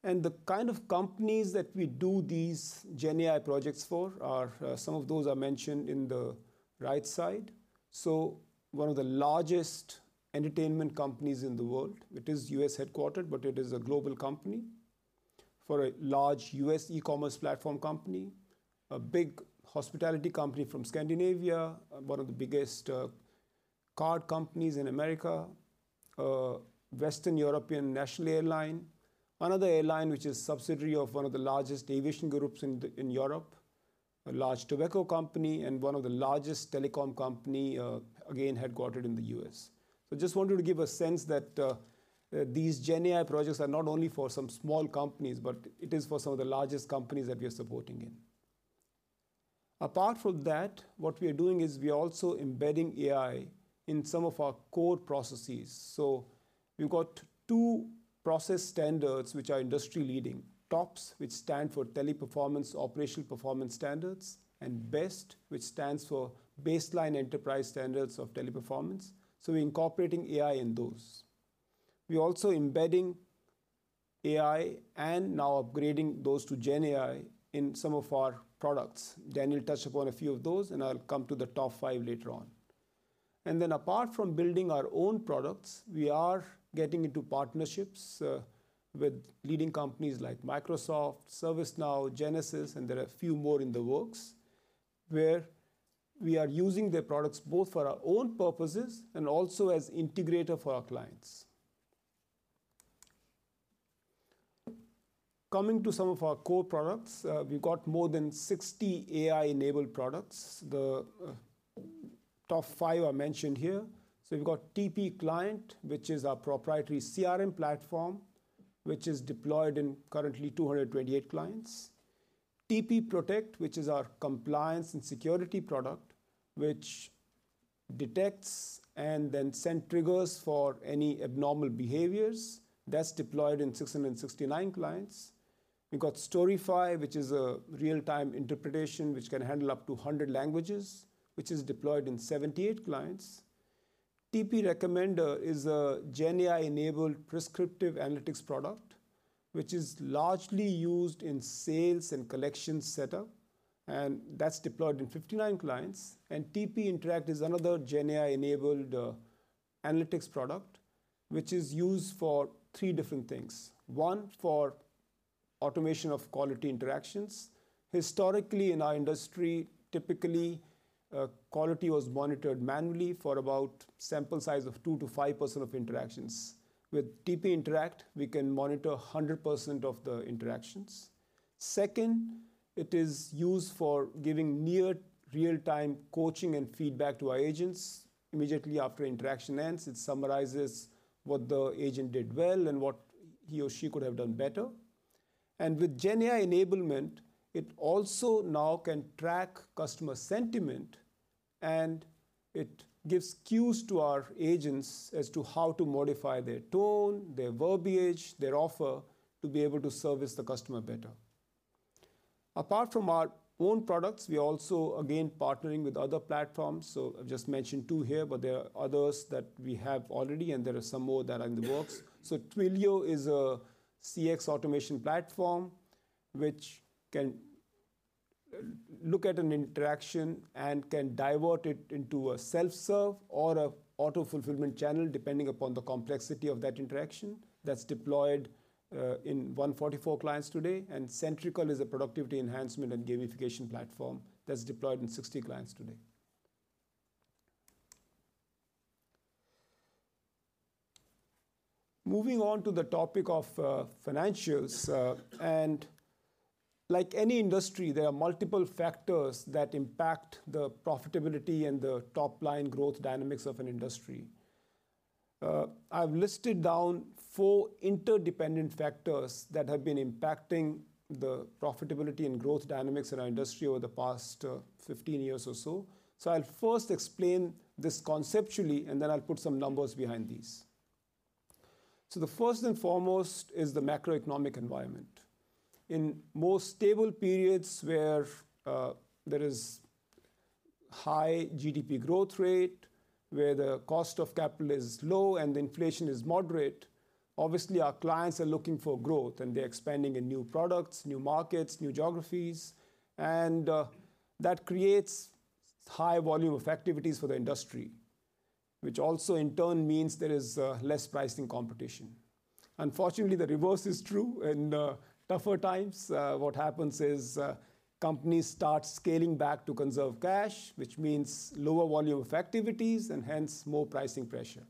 And the kind of companies that we do these GenAI projects for are, some of those are mentioned in the right side. So one of the largest entertainment companies in the world, it is U.S.-headquartered, but it is a global company, for a large U.S. e-commerce platform company, a big hospitality company from Scandinavia, one of the biggest, card companies in America, Western European national airline, another airline which is subsidiary of one of the largest aviation groups in Europe, a large tobacco company, and one of the largest telecom company, again, headquartered in the U.S. Just wanted to give a sense that, these GenAI projects are not only for some small companies, but it is for some of the largest companies that we are supporting in. Apart from that, what we are doing is we are also embedding AI in some of our core processes. So we've got two process standards which are industry-leading: TOPS, which stand for Teleperformance Operational Performance Standards, and BEST, which stands for Baseline Enterprise Standards of Teleperformance. So we're incorporating AI in those. We're also embedding AI and now upgrading those to GenAI in some of our products. Daniel touched upon a few of those, and I'll come to the top five later on. Then, apart from building our own products, we are getting into partnerships with leading companies like Microsoft, ServiceNow, Genesys, and there are a few more in the works, where we are using their products both for our own purposes and also as integrator for our clients. Coming to some of our core products, we've got more than 60 AI-enabled products. The top five are mentioned here. So we've got TP Client, which is our proprietary CRM platform, which is deployed in currently 228 clients. TP Protect, which is our compliance and security product, which detects and then send triggers for any abnormal behaviors, that's deployed in 669 clients. We've got StoryfAI, which is a real-time interpretation, which can handle up to 100 languages, which is deployed in 78 clients. TP Recommender is a GenAI-enabled prescriptive analytics product. which is largely used in sales and collections setup, and that's deployed in 59 clients. And TP Interact is another GenAI-enabled analytics product, which is used for three different things. One, for automation of quality interactions. Historically, in our industry, typically, quality was monitored manually for about sample size of 2%-5% of interactions. With TP Interact, we can monitor 100% of the interactions. Second, it is used for giving near real-time coaching and feedback to our agents. Immediately after interaction ends, it summarizes what the agent did well and what he or she could have done better. And with GenAI enablement, it also now can track customer sentiment, and it gives cues to our agents as to how to modify their tone, their verbiage, their offer, to be able to service the customer better. Apart from our own products, we are also, again, partnering with other platforms. So I've just mentioned two here, but there are others that we have already, and there are some more that are in the works. So Twilio is a CX automation platform, which can look at an interaction and can divert it into a self-serve or a auto-fulfillment channel, depending upon the complexity of that interaction. That's deployed in 144 clients today, and Centrical is a productivity enhancement and gamification platform that's deployed in 60 clients today. Moving on to the topic of financials, and like any industry, there are multiple factors that impact the profitability and the top-line growth dynamics of an industry. I've listed down four interdependent factors that have been impacting the profitability and growth dynamics in our industry over the past 15 years or so. So I'll first explain this conceptually, and then I'll put some numbers behind these. So the first and foremost is the macroeconomic environment. In more stable periods where there is high GDP growth rate, where the cost of capital is low and inflation is moderate, obviously our clients are looking for growth, and they're expanding in new products, new markets, new geographies, and that creates high volume of activities for the industry, which also in turn means there is less pricing competition. Unfortunately, the reverse is true. In tougher times, what happens is companies start scaling back to conserve cash, which means lower volume of activities and hence, more pricing pressure.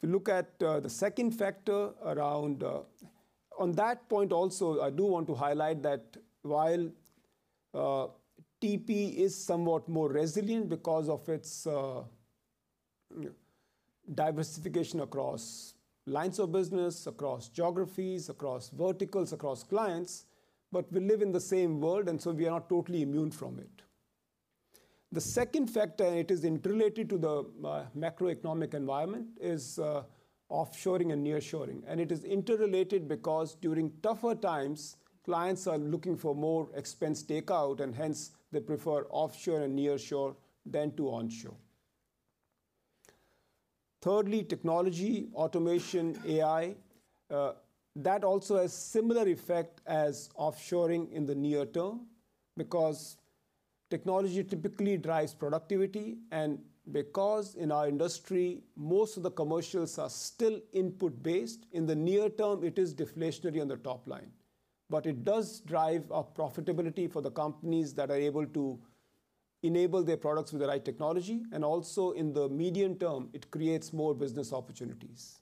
If you look at the second factor around... On that point also, I do want to highlight that while, TP is somewhat more resilient because of its, diversification across lines of business, across geographies, across verticals, across clients, but we live in the same world, and so we are not totally immune from it. The second factor, and it is interrelated to the, macroeconomic environment, is, offshoring and nearshoring. And it is interrelated because during tougher times, clients are looking for more expense takeout, and hence, they prefer offshore and nearshore than to onshore. Thirdly, technology, automation, AI, that also has similar effect as offshoring in the near term, because technology typically drives productivity, and because in our industry, most of the commercials are still input based, in the near term, it is deflationary on the top line. But it does drive up profitability for the companies that are able to enable their products with the right technology, and also in the medium term, it creates more business opportunities.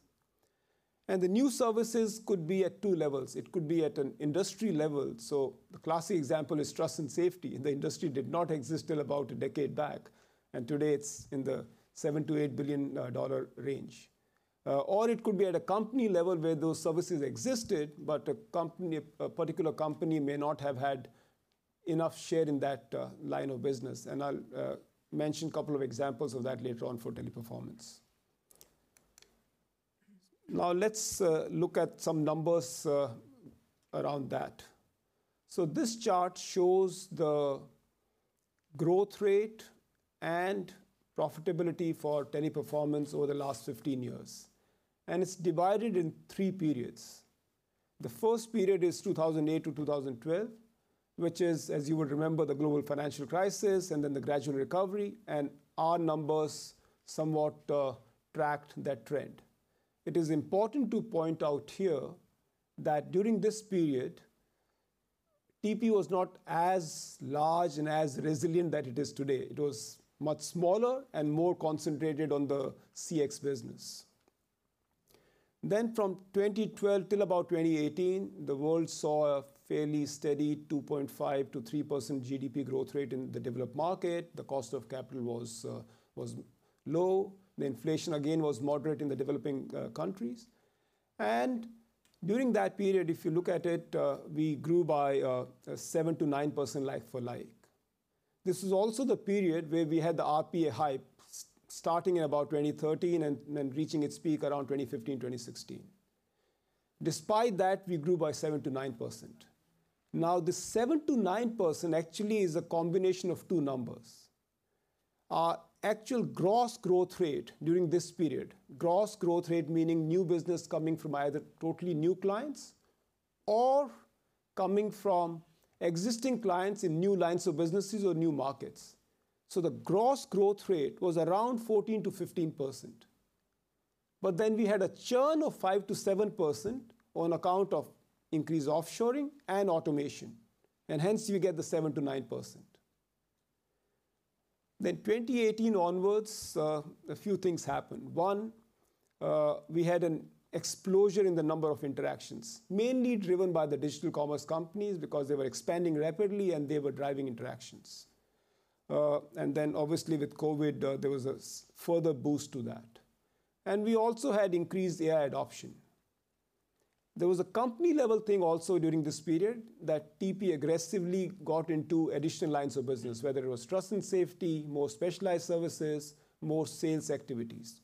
The new services could be at two levels. It could be at an industry level. So the classic example is trust and safety. The industry did not exist till about a decade back, and today it's in the $7 billion-$8 billion range. Or it could be at a company level where those services existed, but a company—a particular company may not have had enough share in that line of business, and I'll mention a couple of examples of that later on for Teleperformance. Now, let's look at some numbers around that. So this chart shows the growth rate and profitability for Teleperformance over the last 15 years, and it's divided in three periods. The first period is 2008 to 2012, which is, as you would remember, the global financial crisis and then the gradual recovery, and our numbers somewhat tracked that trend. It is important to point out here that during this period, TP was not as large and as resilient that it is today. It was much smaller and more concentrated on the CX business. Then, from 2012 till about 2018, the world saw a fairly steady 2.5%-3% GDP growth rate in the developed market. The cost of capital was low. The inflation, again, was moderate in the developing countries. During that period, if you look at it, we grew by 7%-9% like-for-like. This is also the period where we had the RPA hype, starting in about 2013 and then reaching its peak around 2015, 2016. Despite that, we grew by 7%-9%. Now, the 7%-9% actually is a combination of two numbers.... Our actual gross growth rate during this period, gross growth rate meaning new business coming from either totally new clients or coming from existing clients in new lines of businesses or new markets. So the gross growth rate was around 14%-15%, but then we had a churn of 5%-7% on account of increased offshoring and automation, and hence you get the 7%-9%. 2018 onwards, a few things happened. One, we had an explosion in the number of interactions, mainly driven by the digital commerce companies because they were expanding rapidly and they were driving interactions. And then obviously with COVID, there was a further boost to that. And we also had increased AI adoption. There was a company-level thing also during this period, that TP aggressively got into additional lines of business, whether it was trust and safety, more specialized services, more sales activities.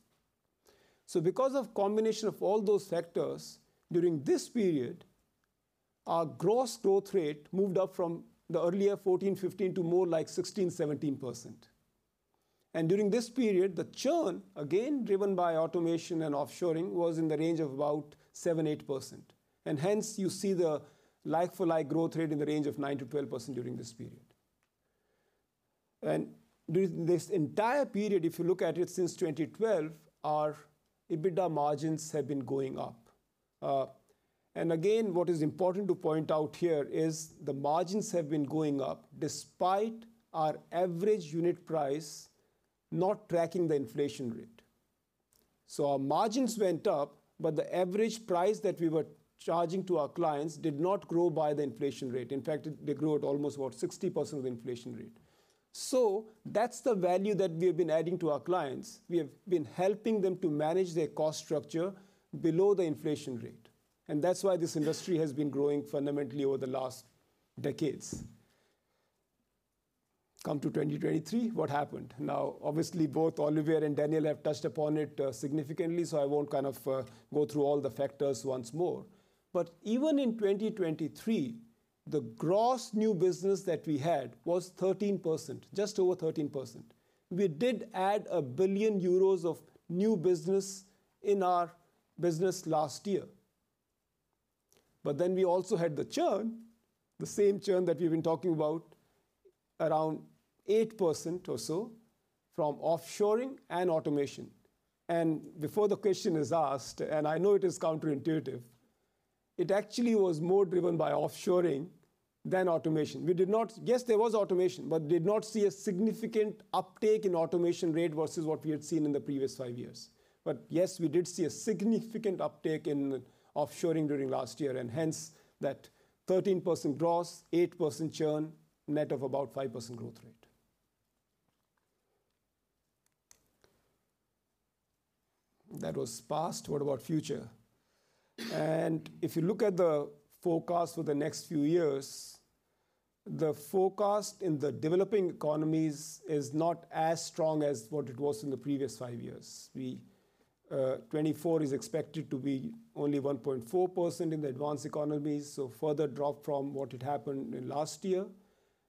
So because of combination of all those factors, during this period, our gross growth rate moved up from the earlier 14-15 to more like 16-17%. And during this period, the churn, again, driven by automation and offshoring, was in the range of about 7-8%. And hence you see the like-for-like growth rate in the range of 9%-12% during this period. During this entire period, if you look at it since 2012, our EBITDA margins have been going up. And again, what is important to point out here is the margins have been going up despite our average unit price not tracking the inflation rate. So our margins went up, but the average price that we were charging to our clients did not grow by the inflation rate. In fact, they grew at almost about 60% of the inflation rate. So that's the value that we have been adding to our clients. We have been helping them to manage their cost structure below the inflation rate, and that's why this industry has been growing fundamentally over the last decades. Come to 2023, what happened? Now, obviously, both Olivier and Daniel have touched upon it significantly, so I won't kind of go through all the factors once more. But even in 2023, the gross new business that we had was 13%, just over 13%. We did add 1 billion euros of new business in our business last year. But then we also had the churn, the same churn that we've been talking about, around 8% or so from offshoring and automation. And before the question is asked, and I know it is counterintuitive, it actually was more driven by offshoring than automation. We did not— Yes, there was automation, but did not see a significant uptake in automation rate versus what we had seen in the previous 5 years. But yes, we did see a significant uptake in offshoring during last year, and hence that 13% gross, 8% churn, net of about 5% growth rate. That was past. What about future? If you look at the forecast for the next few years, the forecast in the developing economies is not as strong as what it was in the previous five years. We 2024 is expected to be only 1.4% in the advanced economies, so further drop from what had happened in last year.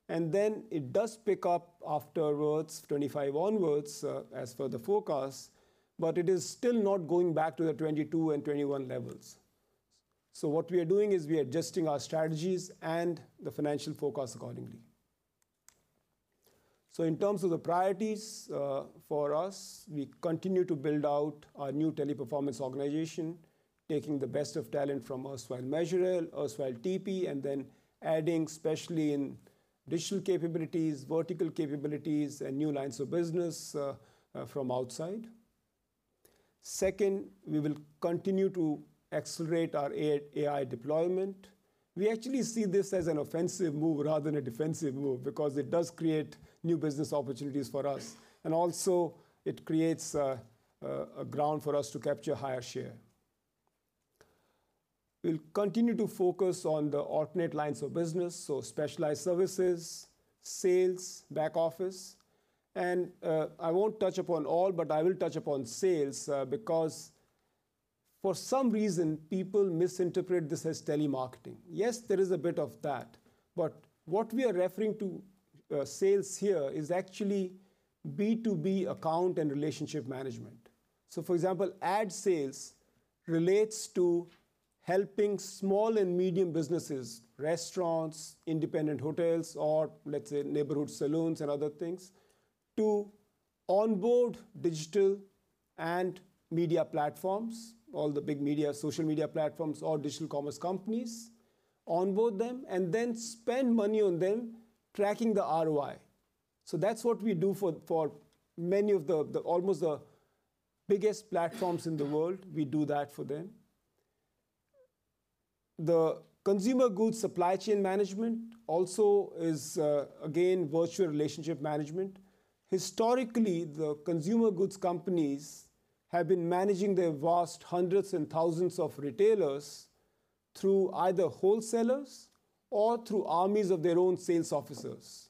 Then it does pick up afterwards, 2025 onwards, as per the forecast, but it is still not going back to the 2022 and 2021 levels. So what we are doing is we are adjusting our strategies and the financial forecast accordingly. So in terms of the priorities, for us, we continue to build out our new Teleperformance organization, taking the best of talent from erstwhile Majorel, erstwhile TP, and then adding, especially in digital capabilities, vertical capabilities, and new lines of business, from outside. Second, we will continue to accelerate our AI, AI deployment. We actually see this as an offensive move rather than a defensive move because it does create new business opportunities for us, and also it creates a ground for us to capture higher share. We'll continue to focus on the alternate lines of business, so specialized services, sales, back office. And I won't touch upon all, but I will touch upon sales, because for some reason, people misinterpret this as telemarketing. Yes, there is a bit of that, but what we are referring to, sales here is actually B2B account and relationship management. So for example, ad sales relates to helping small and medium businesses, restaurants, independent hotels, or let's say neighborhood salons and other things, to onboard digital and media platforms, all the big media, social media platforms, or digital commerce companies, onboard them, and then spend money on them, tracking the ROI. So that's what we do for, for many of the, the almost the biggest platforms in the world, we do that for them. The consumer goods supply chain management also is, again, virtual relationship management. Historically, the consumer goods companies have been managing their vast hundreds and thousands of retailers through either wholesalers or through armies of their own sales officers.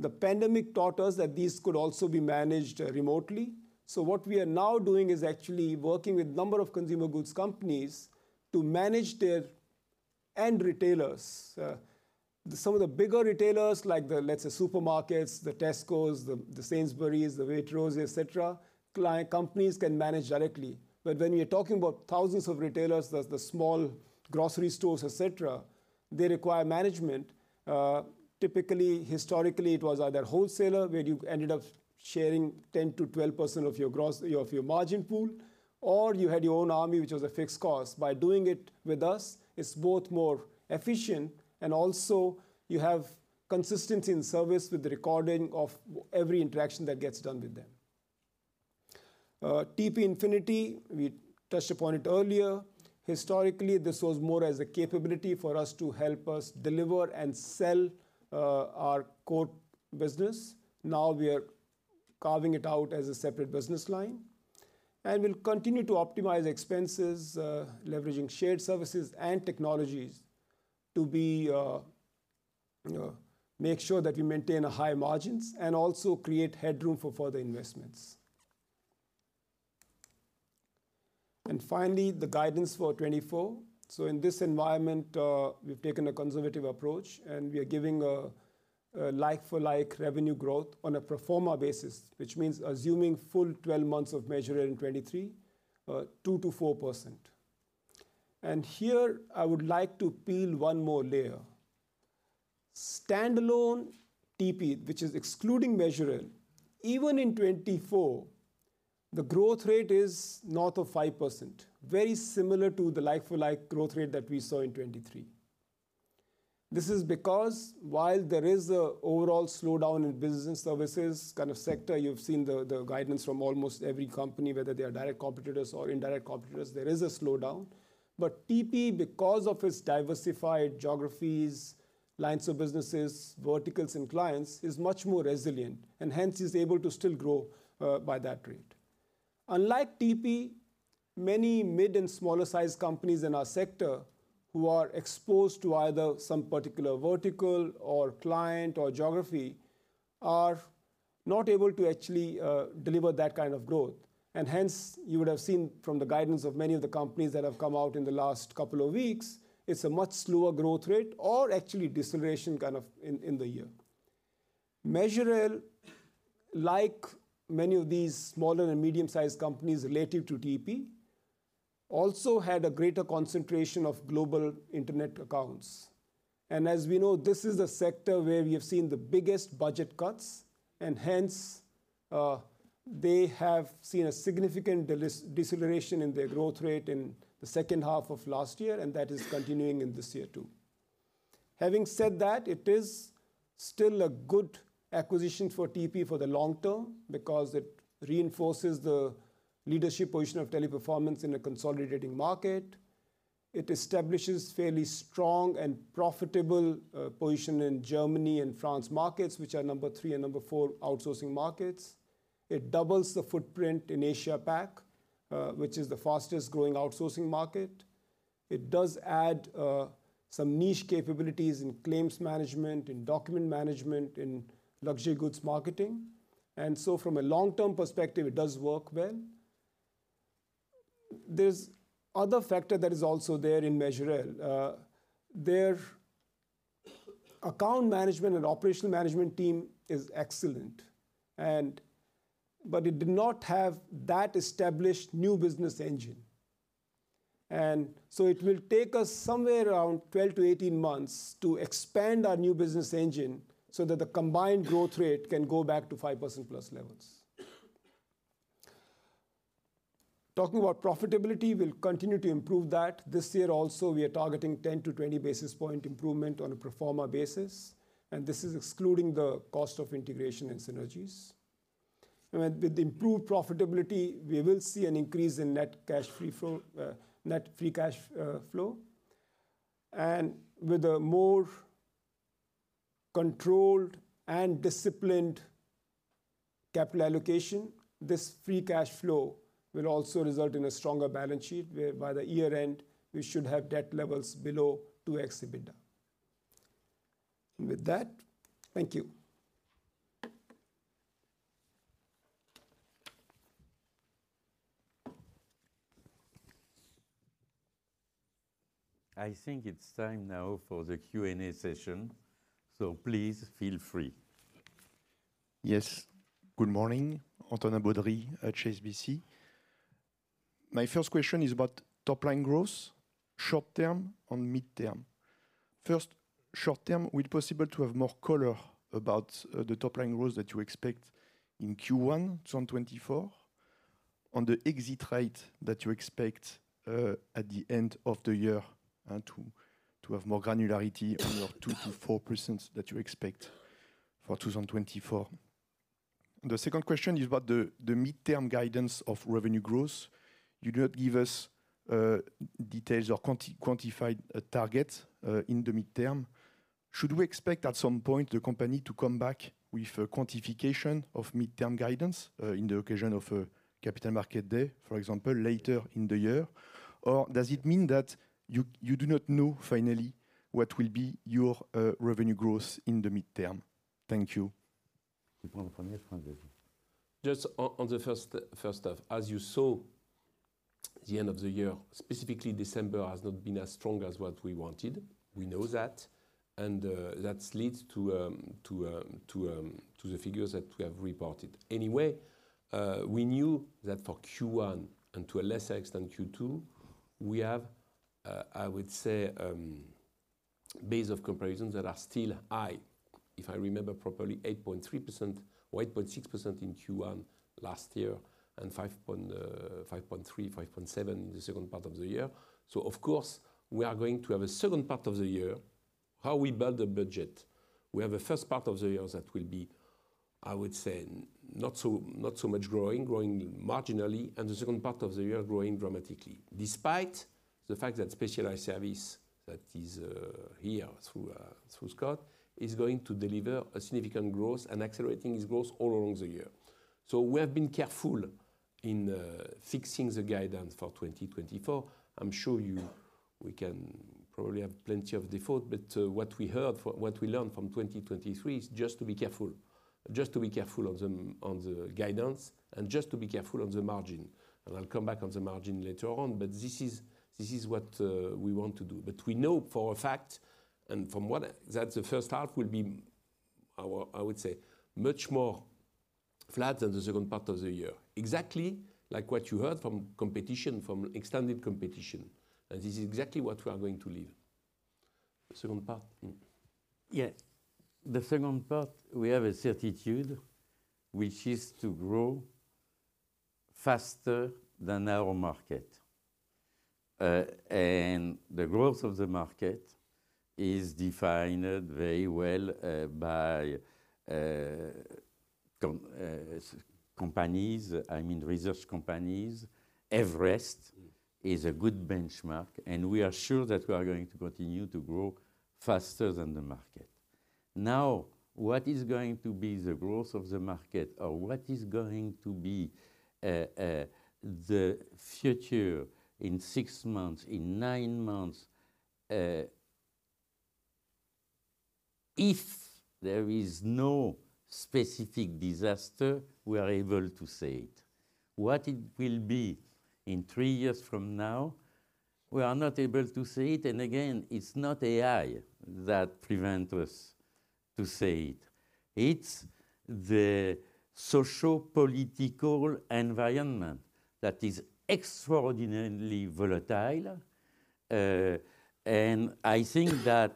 The pandemic taught us that these could also be managed, remotely. So what we are now doing is actually working with a number of consumer goods companies to manage their and retailers. Some of the bigger retailers like the, let's say, supermarkets, the Tescos, the Sainsbury's, the Waitrose, et cetera, client companies can manage directly. But when we are talking about thousands of retailers, the small grocery stores, et cetera, they require management. Typically, historically, it was either wholesaler, where you ended up sharing 10%-12% of your gross, of your margin pool, or you had your own army, which was a fixed cost. By doing it with us, it's both more efficient and also you have consistency in service with the recording of every interaction that gets done with them. TP Infinity, we touched upon it earlier. Historically, this was more as a capability for us to help us deliver and sell our core business. Now we are carving it out as a separate business line, and we'll continue to optimize expenses, leveraging shared services and technologies to make sure that we maintain a high margins and also create headroom for further investments. And finally, the guidance for 2024. So in this environment, we've taken a conservative approach, and we are giving a like-for-like revenue growth on a pro forma basis, which means assuming full 12 months of Majorel in 2023, 2%-4%. And here I would like to peel one more layer. Standalone TP, which is excluding Majorel, even in 2024, the growth rate is north of 5%. Very similar to the like-for-like growth rate that we saw in 2023. This is because while there is a overall slowdown in business services kind of sector, you've seen the guidance from almost every company, whether they are direct competitors or indirect competitors, there is a slowdown. But TP, because of its diversified geographies, lines of businesses, verticals and clients, is much more resilient and hence is able to still grow by that rate. Unlike TP, many mid and smaller sized companies in our sector who are exposed to either some particular vertical or client or geography, are not able to actually deliver that kind of growth. And hence, you would have seen from the guidance of many of the companies that have come out in the last couple of weeks, it's a much slower growth rate or actually deceleration kind of in the year. Majorel, like many of these smaller and medium-sized companies relative to TP, also had a greater concentration of global internet accounts. As we know, this is a sector where we have seen the biggest budget cuts, and hence, they have seen a significant deceleration in their growth rate in the second half of last year, and that is continuing in this year, too. Having said that, it is still a good acquisition for TP for the long term because it reinforces the leadership position of Teleperformance in a consolidating market. It establishes fairly strong and profitable position in Germany and France markets, which are number three and number four outsourcing markets. It doubles the footprint in Asia-Pac, which is the fastest growing outsourcing market. It does add some niche capabilities in claims management, in document management, in luxury goods marketing. From a long-term perspective, it does work well. There's other factor that is also there in Majorel. Their account management and operational management team is excellent, and but it did not have that established new business engine. It will take us somewhere around 12-18 months to expand our new business engine so that the combined growth rate can go back to 5%+ levels. Talking about profitability, we'll continue to improve that. This year also, we are targeting 10-20 basis point improvement on a pro forma basis, and this is excluding the cost of integration and synergies. With the improved profitability, we will see an increase in net cash free flow, net free cash flow. And with a more controlled and disciplined capital allocation, this free cash flow will also result in a stronger balance sheet, whereby the year-end, we should have debt levels below two EBITDA. And with that, thank you. I think it's time now for the Q&A session, so please feel free. Yes. Good morning. Antonin Baudry at HSBC. My first question is about top-line growth, short term and midterm. First, short term, will it possible to have more color about the top-line growth that you expect in Q1 2024, on the exit rate that you expect at the end of the year, and to have more granularity on your 2%-4% that you expect for 2024? The second question is about the midterm guidance of revenue growth. You did not give us details or quantified targets in the midterm. Should we expect at some point the company to come back with a quantification of midterm guidance in the occasion of a capital market day, for example, later in the year? Or does it mean that you, you do not know finally what will be your, revenue growth in the midterm? Thank you.... Just on the first off, as you saw, the end of the year, specifically December, has not been as strong as what we wanted. We know that, and that leads to the figures that we have reported. Anyway, we knew that for Q1, and to a less extent, Q2, we have I would say base of comparisons that are still high. If I remember properly, 8.3% or 8.6% in Q1 last year, and 5.3, 5.7 in the second part of the year. So of course, we are going to have a second part of the year, how we build the budget. We have a first part of the year that will be, I would say, not so, not so much growing, growing marginally, and the second part of the year growing dramatically. Despite the fact that specialized service that is here through through Scott is going to deliver a significant growth and accelerating its growth all along the year. So we have been careful in fixing the guidance for 2024. I'm sure we can probably have plenty of doubt, but what we learned from 2023 is just to be careful. Just to be careful on the guidance and just to be careful on the margin, and I'll come back on the margin later on, but this is what we want to do. But we know for a fact, and from what... That the first half will be, I would say, much more flat than the second part of the year. Exactly like what you heard from competition, from extended competition, and this is exactly what we are going to deliver. The second part? Mm. Yeah. The second part, we have a certitude, which is to grow faster than our market. And the growth of the market is defined very well by companies, I mean, research companies. Everest is a good benchmark, and we are sure that we are going to continue to grow faster than the market. Now, what is going to be the growth of the market, or what is going to be the future in six months, in nine months, if there is no specific disaster, we are able to say it. What it will be in three years from now, we are not able to say it, and again, it's not AI that prevent us to say it. It's the socio-political environment that is extraordinarily volatile, and I think that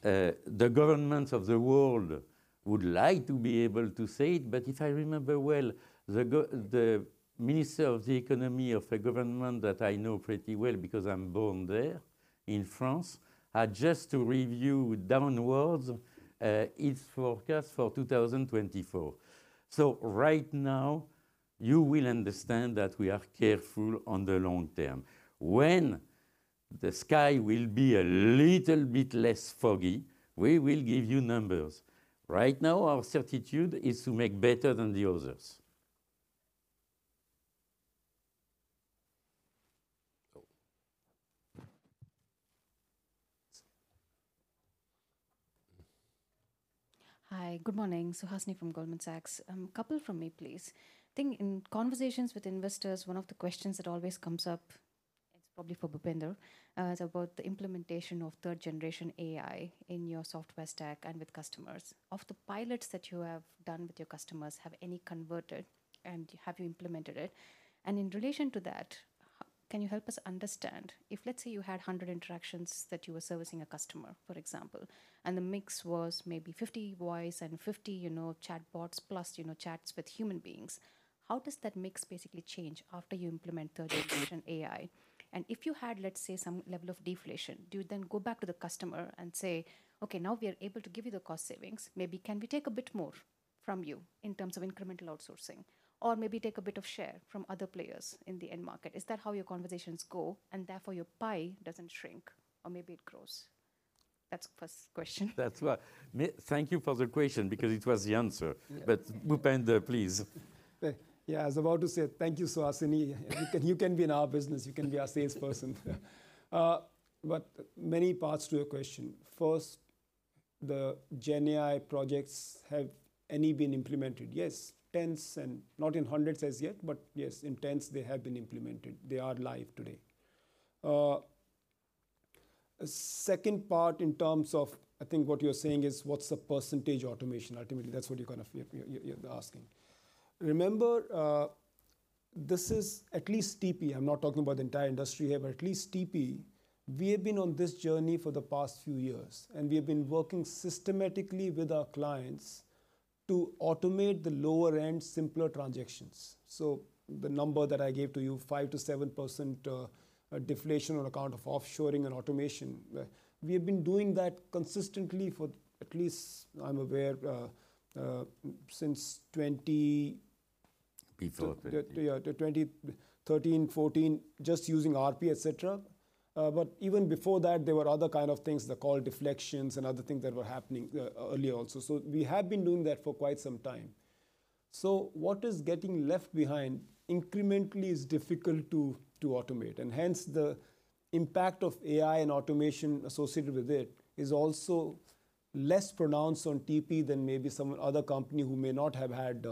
the governments of the world would like to be able to say it, but if I remember well, the minister of the economy of a government that I know pretty well, because I'm born there, in France, had just to review downwards its forecast for 2024. So right now, you will understand that we are careful on the long term. When the sky will be a little bit less foggy, we will give you numbers. Right now, our certitude is to make better than the others. Go. Hi, good morning. Suhasini from Goldman Sachs. A couple from me, please. I think in conversations with investors, one of the questions that always comes up, it's probably for Bhupender, is about the implementation of third generation AI in your software stack and with customers. Of the pilots that you have done with your customers, have any converted, and have you implemented it? And in relation to that, can you help us understand? If let's say, you had 100 interactions that you were servicing a customer, for example, and the mix was maybe 50 voice and 50, you know, chatbots, plus, you know, chats with human beings, how does that mix basically change after you implement third generation AI? If you had, let's say, some level of deflation, do you then go back to the customer and say: "Okay, now we are able to give you the cost savings, maybe can we take a bit more from you in terms of incremental outsourcing? Or maybe take a bit of share from other players in the end market." Is that how your conversations go, and therefore, your pie doesn't shrink, or maybe it grows? That's first question. That's right. Thank you for the question because it was the answer. Yeah. But Bhupender, please. Yeah. Yeah, I was about to say thank you, Suhasini. You can, you can be in our business. You can be our salesperson. But many parts to your question. First, the GenAI projects, have any been implemented? Yes, tens and not in hundreds as yet, but yes, in tens they have been implemented. They are live today. Second part, in terms of, I think what you're saying is, what's the percentage automation? Ultimately, that's what you're gonna feel, yeah, you're asking. Remember, this is at least TP, I'm not talking about the entire industry here, but at least TP, we have been on this journey for the past few years, and we have been working systematically with our clients to automate the lower-end, simpler transactions. So the number that I gave to you, 5%-7% deflation on account of offshoring and automation, we have been doing that consistently for at least I'm aware, since twenty- Before twenty. Yeah, 2013, 2014, just using RPA, et cetera. But even before that, there were other kind of things, the call deflections and other things that were happening, earlier also. So we have been doing that for quite some time. So what is getting left behind incrementally is difficult to automate, and hence the impact of AI and automation associated with it is also less pronounced on TP than maybe some other company who may not have had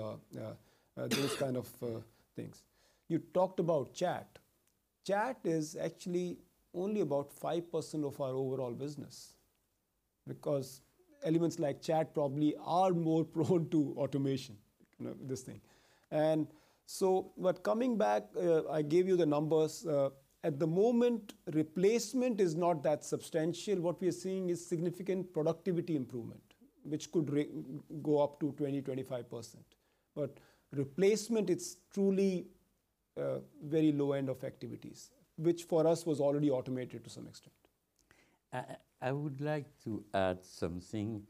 those kind of things. You talked about chat. Chat is actually only about 5% of our overall business, because elements like chat probably are more prone to automation, you know, this thing. And so, but coming back, I gave you the numbers. At the moment, replacement is not that substantial. What we are seeing is significant productivity improvement, which could go up to 20%-25%. But replacement, it's truly very low end of activities, which for us was already automated to some extent. I, I would like to add something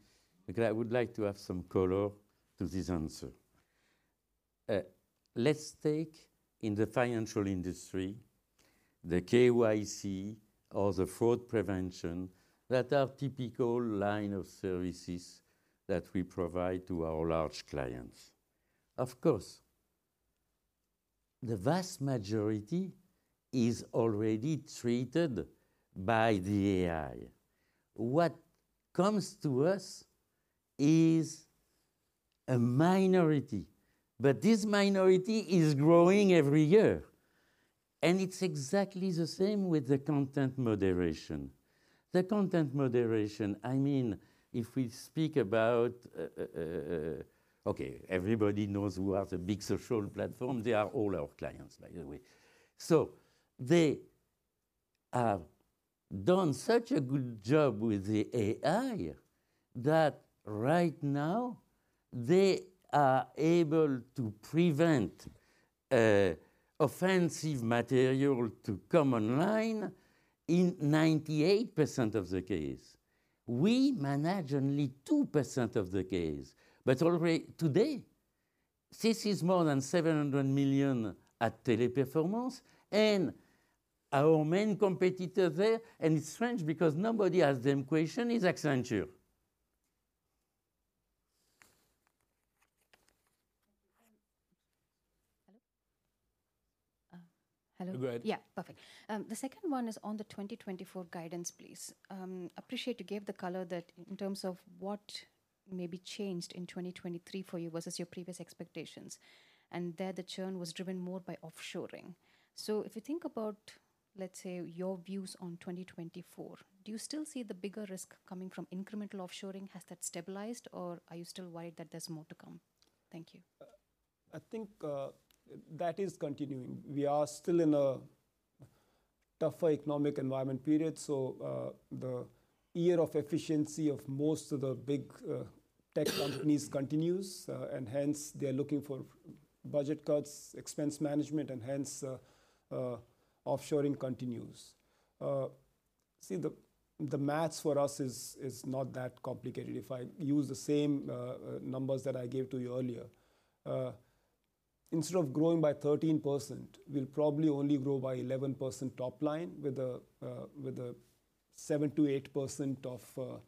because I would like to add some color to this answer. Let's take in the financial industry, the KYC or the fraud prevention, that are typical line of services that we provide to our large clients. Of course, the vast majority is already treated by the AI. What comes to us is a minority, but this minority is growing every year, and it's exactly the same with the content moderation. The content moderation, I mean, if we speak about... Okay, everybody knows who are the big social platform. They are all our clients, by the way. So they have done such a good job with the AI, that right now they are able to prevent offensive material to come online in 98% of the case. We manage only 2% of the case, but already today, this is more than 700 million at Teleperformance and our main competitor there, and it's strange because nobody asked them question, is Accenture. Hello? Hello. Go ahead. Yeah, perfect. The second one is on the 2024 guidance, please. Appreciate you gave the color that in terms of what may be changed in 2023 for you versus your previous expectations, and there the churn was driven more by offshoring. So if you think about, let's say, your views on 2024, do you still see the bigger risk coming from incremental offshoring? Has that stabilized, or are you still worried that there's more to come? Thank you. I think that is continuing. We are still in a tougher economic environment period, so, the year of efficiency of most of the big, tech companies continues, and hence they're looking for budget cuts, expense management, and hence, offshoring continues. See, the maths for us is not that complicated. If I use the same numbers that I gave to you earlier, instead of growing by 13%, we'll probably only grow by 11% top line with a 7%-8% of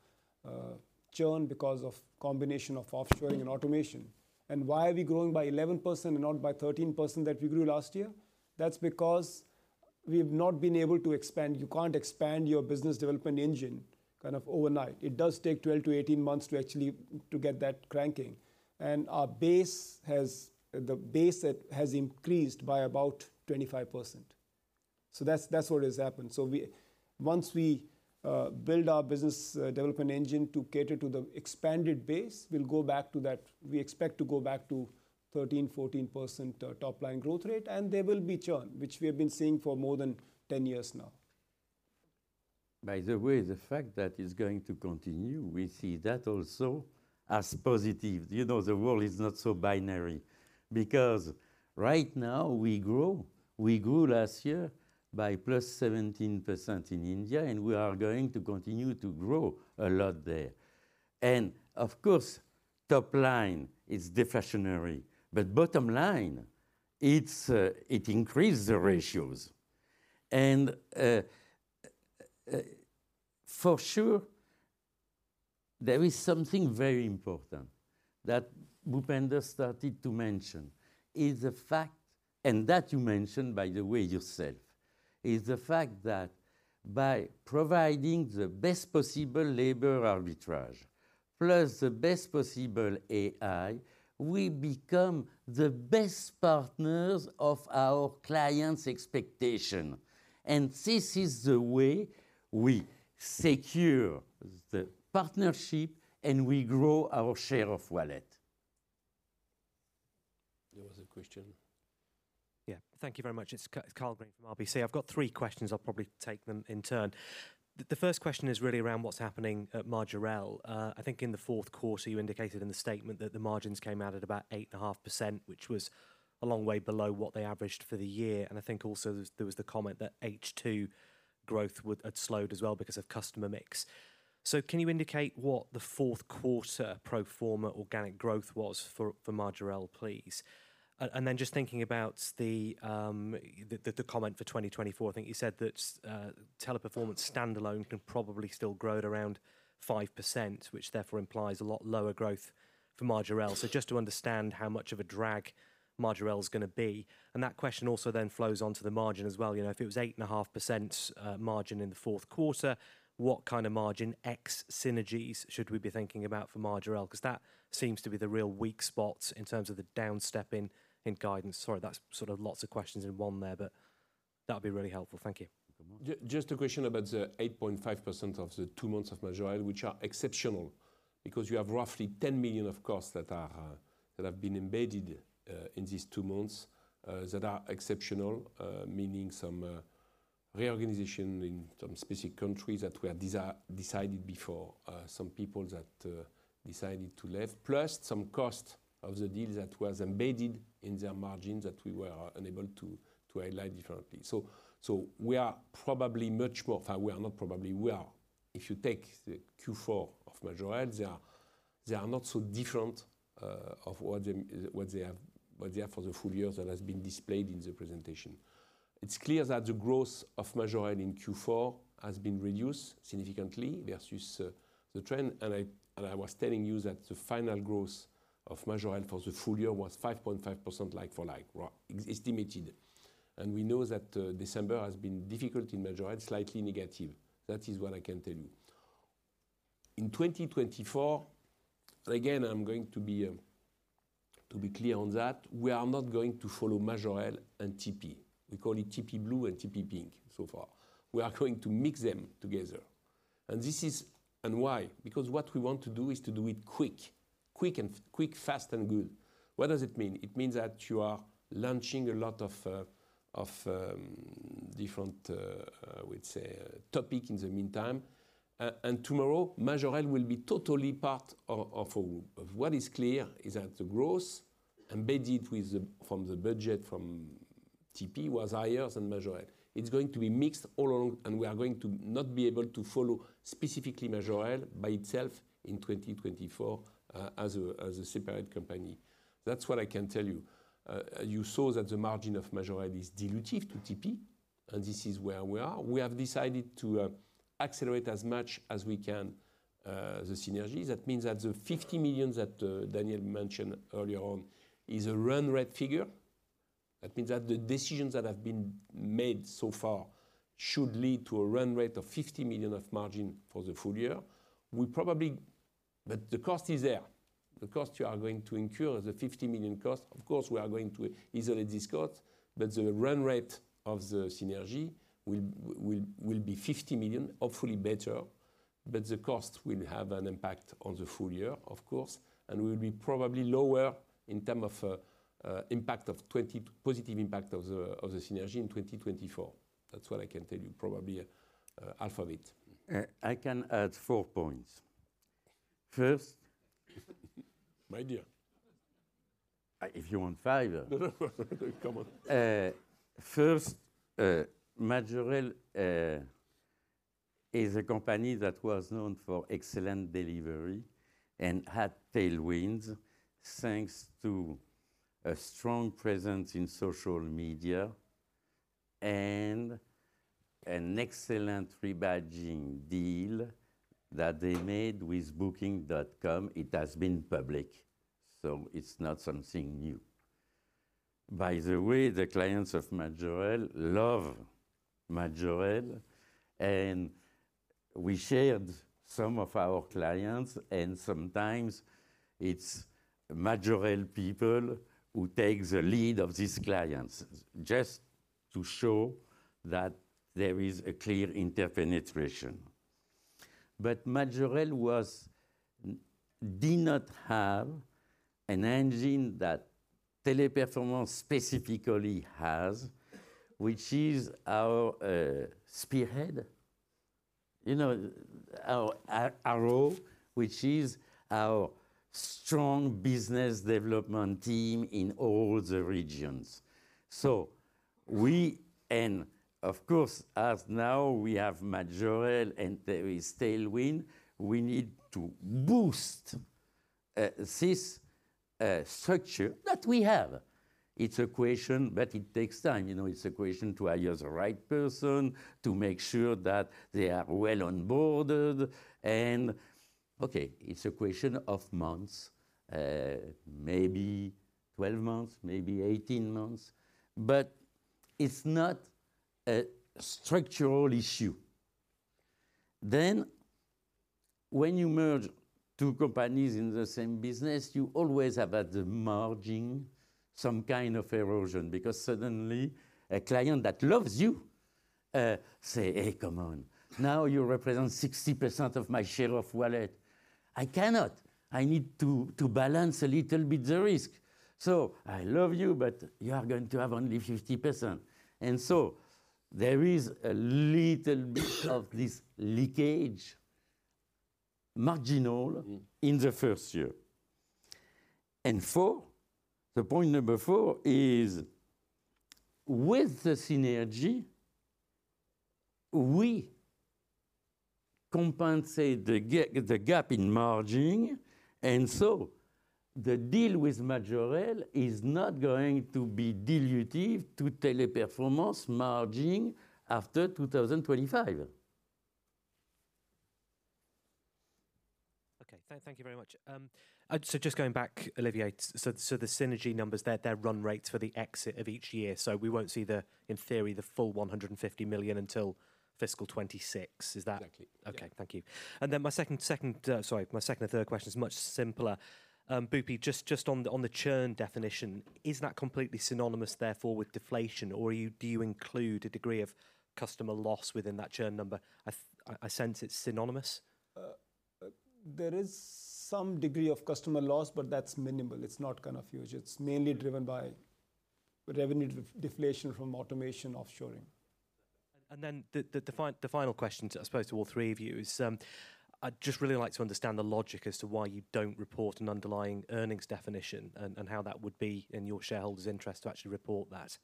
churn because of combination of offshoring and automation. And why are we growing by 11% and not by 13% that we grew last year? That's because we've not been able to expand. You can't expand your business development engine kind of overnight. It does take 12-18 months to actually, to get that cranking. And our base has—the base has increased by about 25%. So that's, that's what has happened. So we—Once we build our business development engine to cater to the expanded base, we'll go back to that. We expect to go back to 13%-14% top line growth rate, and there will be churn, which we have been seeing for more than 10 years now. By the way, the fact that it's going to continue, we see that also as positive. You know, the world is not so binary, because right now we grow. We grew last year by +17% in India, and we are going to continue to grow a lot there. And of course, top line is deflationary, but bottom line, it's, it increased the ratios. And, for sure, there is something very important that Bhupender started to mention, is the fact... And that you mentioned, by the way, yourself, is the fact that by providing the best possible labor arbitrage, plus the best possible AI, we become the best partners of our clients' expectation, and this is the way we secure the partnership, and we grow our share of wallet. There was a question. Yeah. Thank you very much. It's Karl Green from RBC. I've got three questions. I'll probably take them in turn. The first question is really around what's happening at Majorel. I think in the fourth quarter, you indicated in the statement that the margins came out at about 8.5%, which was a long way below what they averaged for the year, and I think also there was the comment that H2 growth had slowed as well because of customer mix. So can you indicate what the fourth quarter pro forma organic growth was for Majorel, please? And then just thinking about the comment for 2024, I think you said that Teleperformance standalone can probably still grow at around 5%, which therefore implies a lot lower growth for Majorel. So just to understand how much of a drag Majorel is gonna be, and that question also then flows onto the margin as well. You know, if it was 8.5% margin in the fourth quarter, what kind of margin ex synergies should we be thinking about for Majorel? 'Cause that seems to be the real weak spot in terms of the down step in guidance. Sorry, that's sort of lots of questions in one there, but that'd be really helpful. Thank you. Just a question about the 8.5% of the two months of Majorel, which are exceptional because you have roughly 10 million of costs that have been embedded in these two months that are exceptional. Meaning some reorganization in some specific countries that were decided before, some people that decided to leave, plus some cost of the deal that was embedded in their margin that we were unable to highlight differently. So we are probably much more. In fact, we are not probably, we are. If you take the Q4 of Majorel, they are not so different of what they have, what they are for the full year that has been displayed in the presentation. It's clear that the growth of Majorel in Q4 has been reduced significantly versus the trend, and I, and I was telling you that the final growth of Majorel for the full year was 5.5% like-for-like, well, estimated. We know that December has been difficult in Majorel, slightly negative. That is what I can tell you. In 2024, again, I'm going to be to be clear on that, we are not going to follow Majorel and TP. We call it TP Blue and TP Pink so far. We are going to mix them together, and this is. And why? Because what we want to do is to do it quick, fast and good. What does it mean? It means that you are launching a lot of of different we'd say topic in the meantime. Tomorrow, Majorel will be totally part of a group. What is clear is that the growth embedded with the from the budget from TP was higher than Majorel. It's going to be mixed all along, and we are going to not be able to follow specifically Majorel by itself in 2024, as a separate company. That's what I can tell you. You saw that the margin of Majorel is dilutive to TP, and this is where we are. We have decided to accelerate as much as we can the synergies. That means that the 50 million that Daniel mentioned earlier on is a run rate figure. That means that the decisions that have been made so far should lead to a run rate of 50 million of margin for the full year. We probably... But the cost is there. The cost you are going to incur, the 50 million cost, of course, we are going to isolate this cost, but the run rate of the synergy will be 50 million, hopefully better, but the cost will have an impact on the full year, of course, and will be probably lower in terms of positive impact of the synergy in 2024. That's what I can tell you, probably, half of it. I can add four points. First- My dear. If you want five. No, no, come on. First, Majorel is a company that was known for excellent delivery and had tailwinds, thanks to a strong presence in social media and an excellent rebadging deal that they made with Booking.com. It has been public, so it's not something new. By the way, the clients of Majorel love Majorel, and we shared some of our clients, and sometimes it's Majorel people who take the lead of these clients, just to show that there is a clear interpenetration. But Majorel did not have an engine that Teleperformance specifically has, which is our spearhead, you know, our arrow, which is our strong business development team in all the regions. So we, and of course, as now, we have Majorel, and there is tailwind, we need to boost this structure that we have. It's a question, but it takes time. You know, it's a question to hire the right person, to make sure that they are well onboarded, and okay, it's a question of months, maybe 12 months, maybe 18 months, but it's not a structural issue. Then when you merge two companies in the same business, you always have, at the margin, some kind of erosion, because suddenly a client that loves you, say, "Hey, come on, now you represent 60% of my share of wallet. I cannot. I need to, to balance a little bit the risk. So I love you, but you are going to have only 50%." And so there is a little bit of this leakage, marginal- Mm-hmm... in the first year. Four, the point number four is: with the synergy-... we compensate the gap in margin, and so the deal with Majorel is not going to be dilutive to Teleperformance margin after 2025. Okay. Thank you very much. So just going back, Olivier, so the synergy numbers, they're run rates for the exit of each year, so we won't see, in theory, the full 150 million until fiscal 2026. Is that- Exactly. Okay, thank you. Then my second and third question is much simpler. Bhupi, just on the churn definition, is that completely synonymous therefore with deflation, or do you include a degree of customer loss within that churn number? I sense it's synonymous. There is some degree of customer loss, but that's minimal. It's not kind of huge. It's mainly driven by revenue deflation from automation, offshoring. And then the final question, I suppose to all three of you, is, I'd just really like to understand the logic as to why you don't report an underlying earnings definition, and how that would be in your shareholders' interest to actually report that.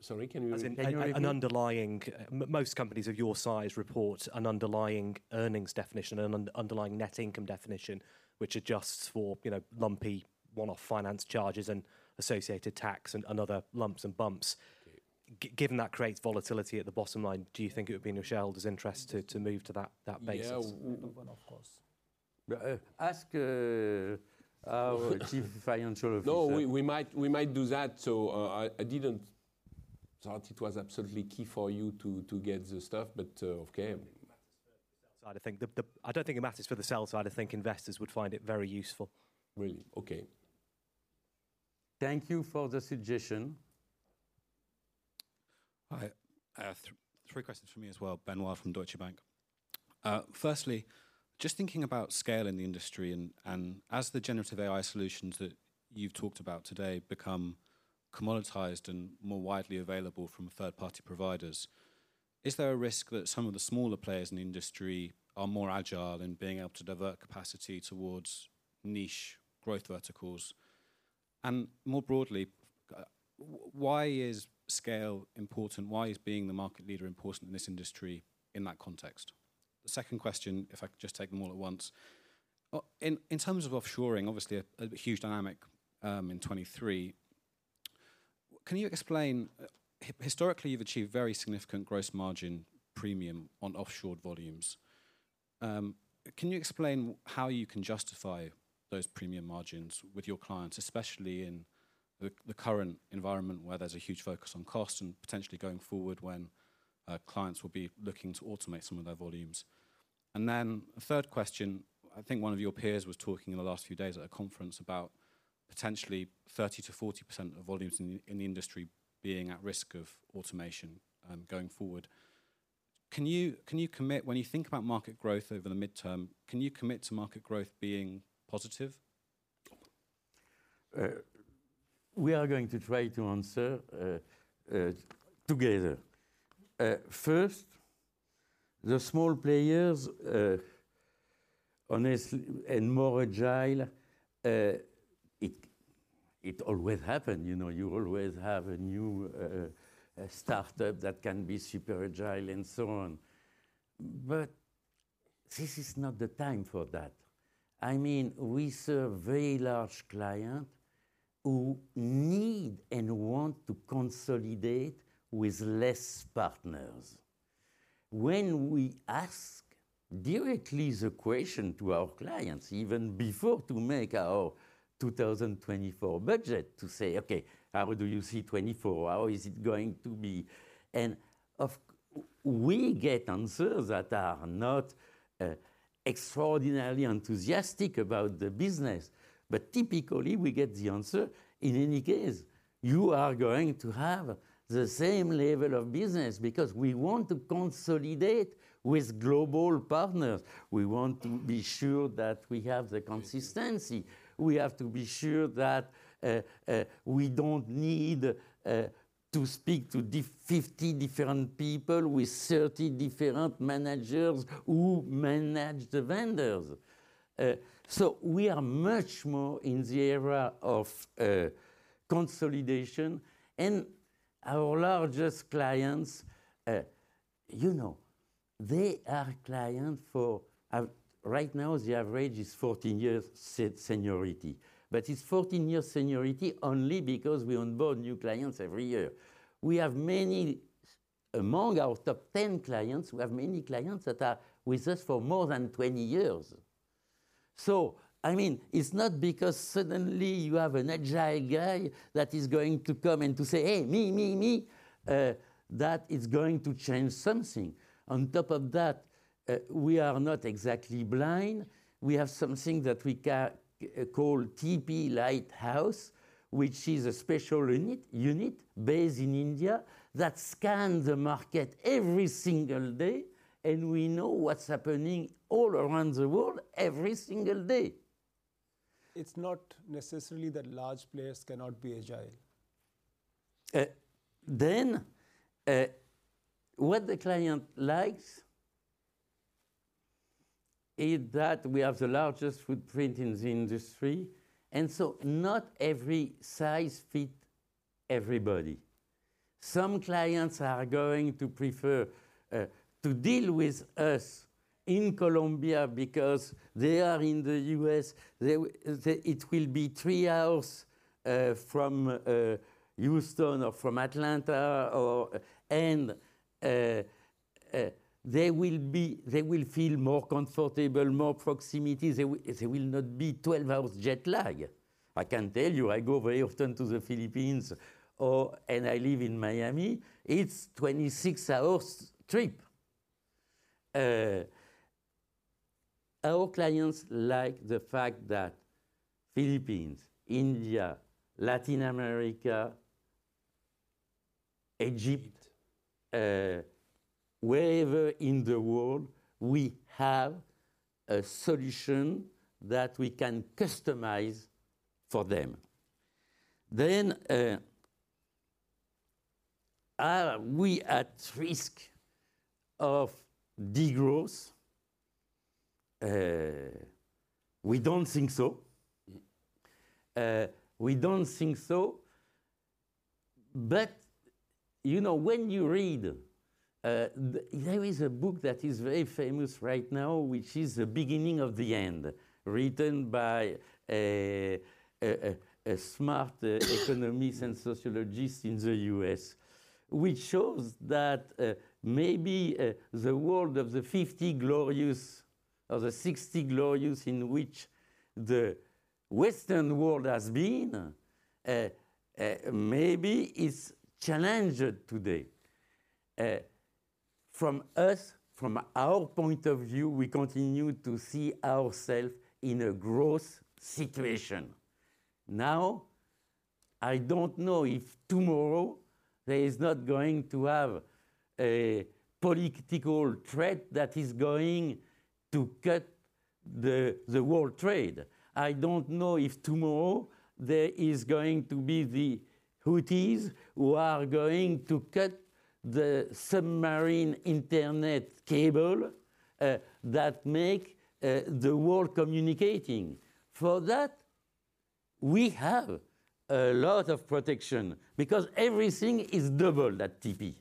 Sorry, can you repeat? Most companies of your size report an underlying earnings definition and an underlying net income definition, which adjusts for, you know, lumpy, one-off finance charges and associated tax and other lumps and bumps. Given that creates volatility at the bottom line, do you think it would be in your shareholders' interest to move to that basis? Yeah, of course. Ask our Chief Financial Officer. No, we might do that, so, I didn't thought it was absolutely key for you to get the stuff, but, okay. I think, I don't think it matters for the sell side. I think investors would find it very useful. Really? Okay. Thank you for the suggestion. Hi, three questions from me as well, Ben from Deutsche Bank. Firstly, just thinking about scale in the industry, and as the generative AI solutions that you've talked about today become commoditized and more widely available from third-party providers, is there a risk that some of the smaller players in the industry are more agile in being able to divert capacity towards niche growth verticals? And more broadly, why is scale important? Why is being the market leader important in this industry, in that context? The second question, if I could just take them all at once. In terms of offshoring, obviously a huge dynamic in 2023. Can you explain, historically, you've achieved very significant gross margin premium on offshored volumes. Can you explain how you can justify those premium margins with your clients, especially in the current environment, where there's a huge focus on cost and potentially going forward when clients will be looking to automate some of their volumes? And then the third question, I think one of your peers was talking in the last few days at a conference about potentially 30%-40% of volumes in the industry being at risk of automation, going forward. Can you, can you commit—When you think about market growth over the midterm, can you commit to market growth being positive? We are going to try to answer together. First, the small players, honestly, and more agile, it always happen. You know, you always have a new a startup that can be super agile and so on. But this is not the time for that. I mean, we serve very large client who need and want to consolidate with less partners. When we ask directly the question to our clients, even before to make our 2024 budget, to say: "Okay, how do you see 2024? How is it going to be?" And we get answers that are not extraordinarily enthusiastic about the business, but typically we get the answer: "In any case, you are going to have the same level of business, because we want to consolidate with global partners. We want to be sure that we have the consistency. We have to be sure that we don't need to speak to 50 different people with 30 different managers who manage the vendors. So we are much more in the era of consolidation, and our largest clients, you know, they are client for right now, the average is 14 years seniority. But it's 14 years seniority only because we onboard new clients every year. We have many, among our top 10 clients, we have many clients that are with us for more than 20 years. So I mean, it's not because suddenly you have an agile guy that is going to come and to say, "Hey, me, me, me!" that is going to change something. On top of that, we are not exactly blind. We have something that we call TP Lighthouse, which is a special unit based in India that scans the market every single day, and we know what's happening all around the world every single day. It's not necessarily that large players cannot be agile. Then, what the client likes is that we have the largest footprint in the industry, and so not every size fit everybody. Some clients are going to prefer to deal with us in Colombia because they are in the U.S. They, it will be three hours from Houston or from Atlanta or. They will feel more comfortable, more proximity. There will not be 12 hours jet lag. I can tell you, I go very often to the Philippines, and I live in Miami. It's 26 hours trip. Our clients like the fact that Philippines, India, Latin America, Egypt, wherever in the world, we have a solution that we can customize for them. Then, are we at risk of de-growth? We don't think so. We don't think so, but, you know, when you read, there is a book that is very famous right now, which is The Beginning of the End, written by a smart economist and sociologist in the U.S., which shows that, maybe, the world of the fifty glorious, or the sixty glorious, in which the Western world has been, maybe is challenged today. From us, from our point of view, we continue to see ourself in a growth situation. Now, I don't know if tomorrow there is not going to have a political threat that is going to cut the world trade. I don't know if tomorrow there is going to be the Houthis who are going to cut the submarine internet cable that make the world communicating. For that, we have a lot of protection because everything is double at TP.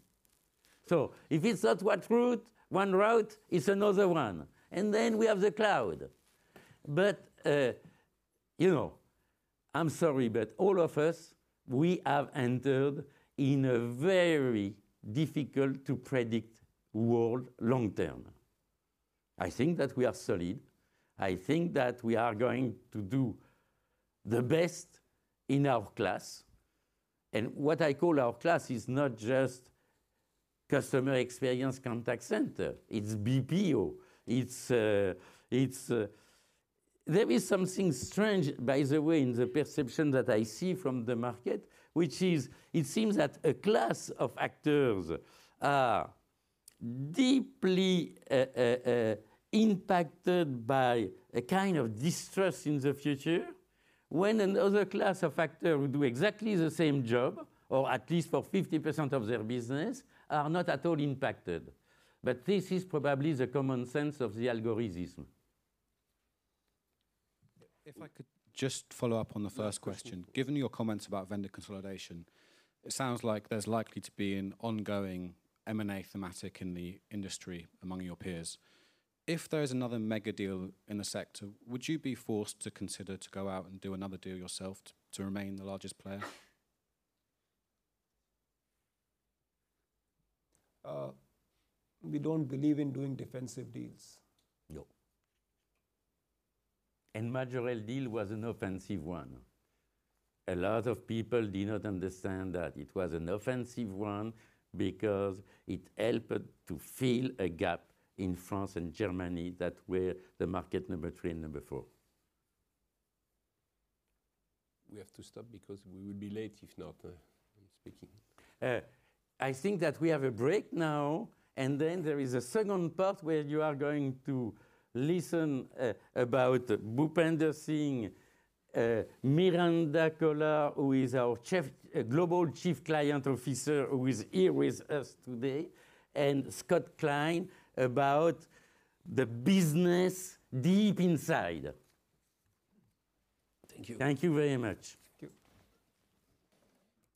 So if it's not one route, one route, it's another one, and then we have the cloud. But, you know, I'm sorry, but all of us, we have entered in a very difficult-to-predict world long term. I think that we are solid. I think that we are going to do the best in our class, and what I call our class is not just customer experience contact center, it's BPO. It's, it's... There is something strange, by the way, in the perception that I see from the market, which is it seems that a class of actors are deeply impacted by a kind of distrust in the future, when another class of actor who do exactly the same job, or at least for 50% of their business, are not at all impacted. But this is probably the common sense of the algorithm. If I could just follow up on the first question. Given your comments about vendor consolidation, it sounds like there's likely to be an ongoing M&A thematic in the industry among your peers. If there is another mega deal in the sector, would you be forced to consider to go out and do another deal yourself to remain the largest player? We don't believe in doing defensive deals. No. Majorel deal was an offensive one. A lot of people did not understand that it was an offensive one, because it helped to fill a gap in France and Germany that were the market number three and number four. We have to stop because we will be late if not speaking. I think that we have a break now, and then there is a second part where you are going to listen about Bhupender Singh, Miranda Collard, who is our Chief Global Chief Client Officer, who is here with us today, and Scott Klein, about the business deep inside. Thank you. Thank you very much. Thank you.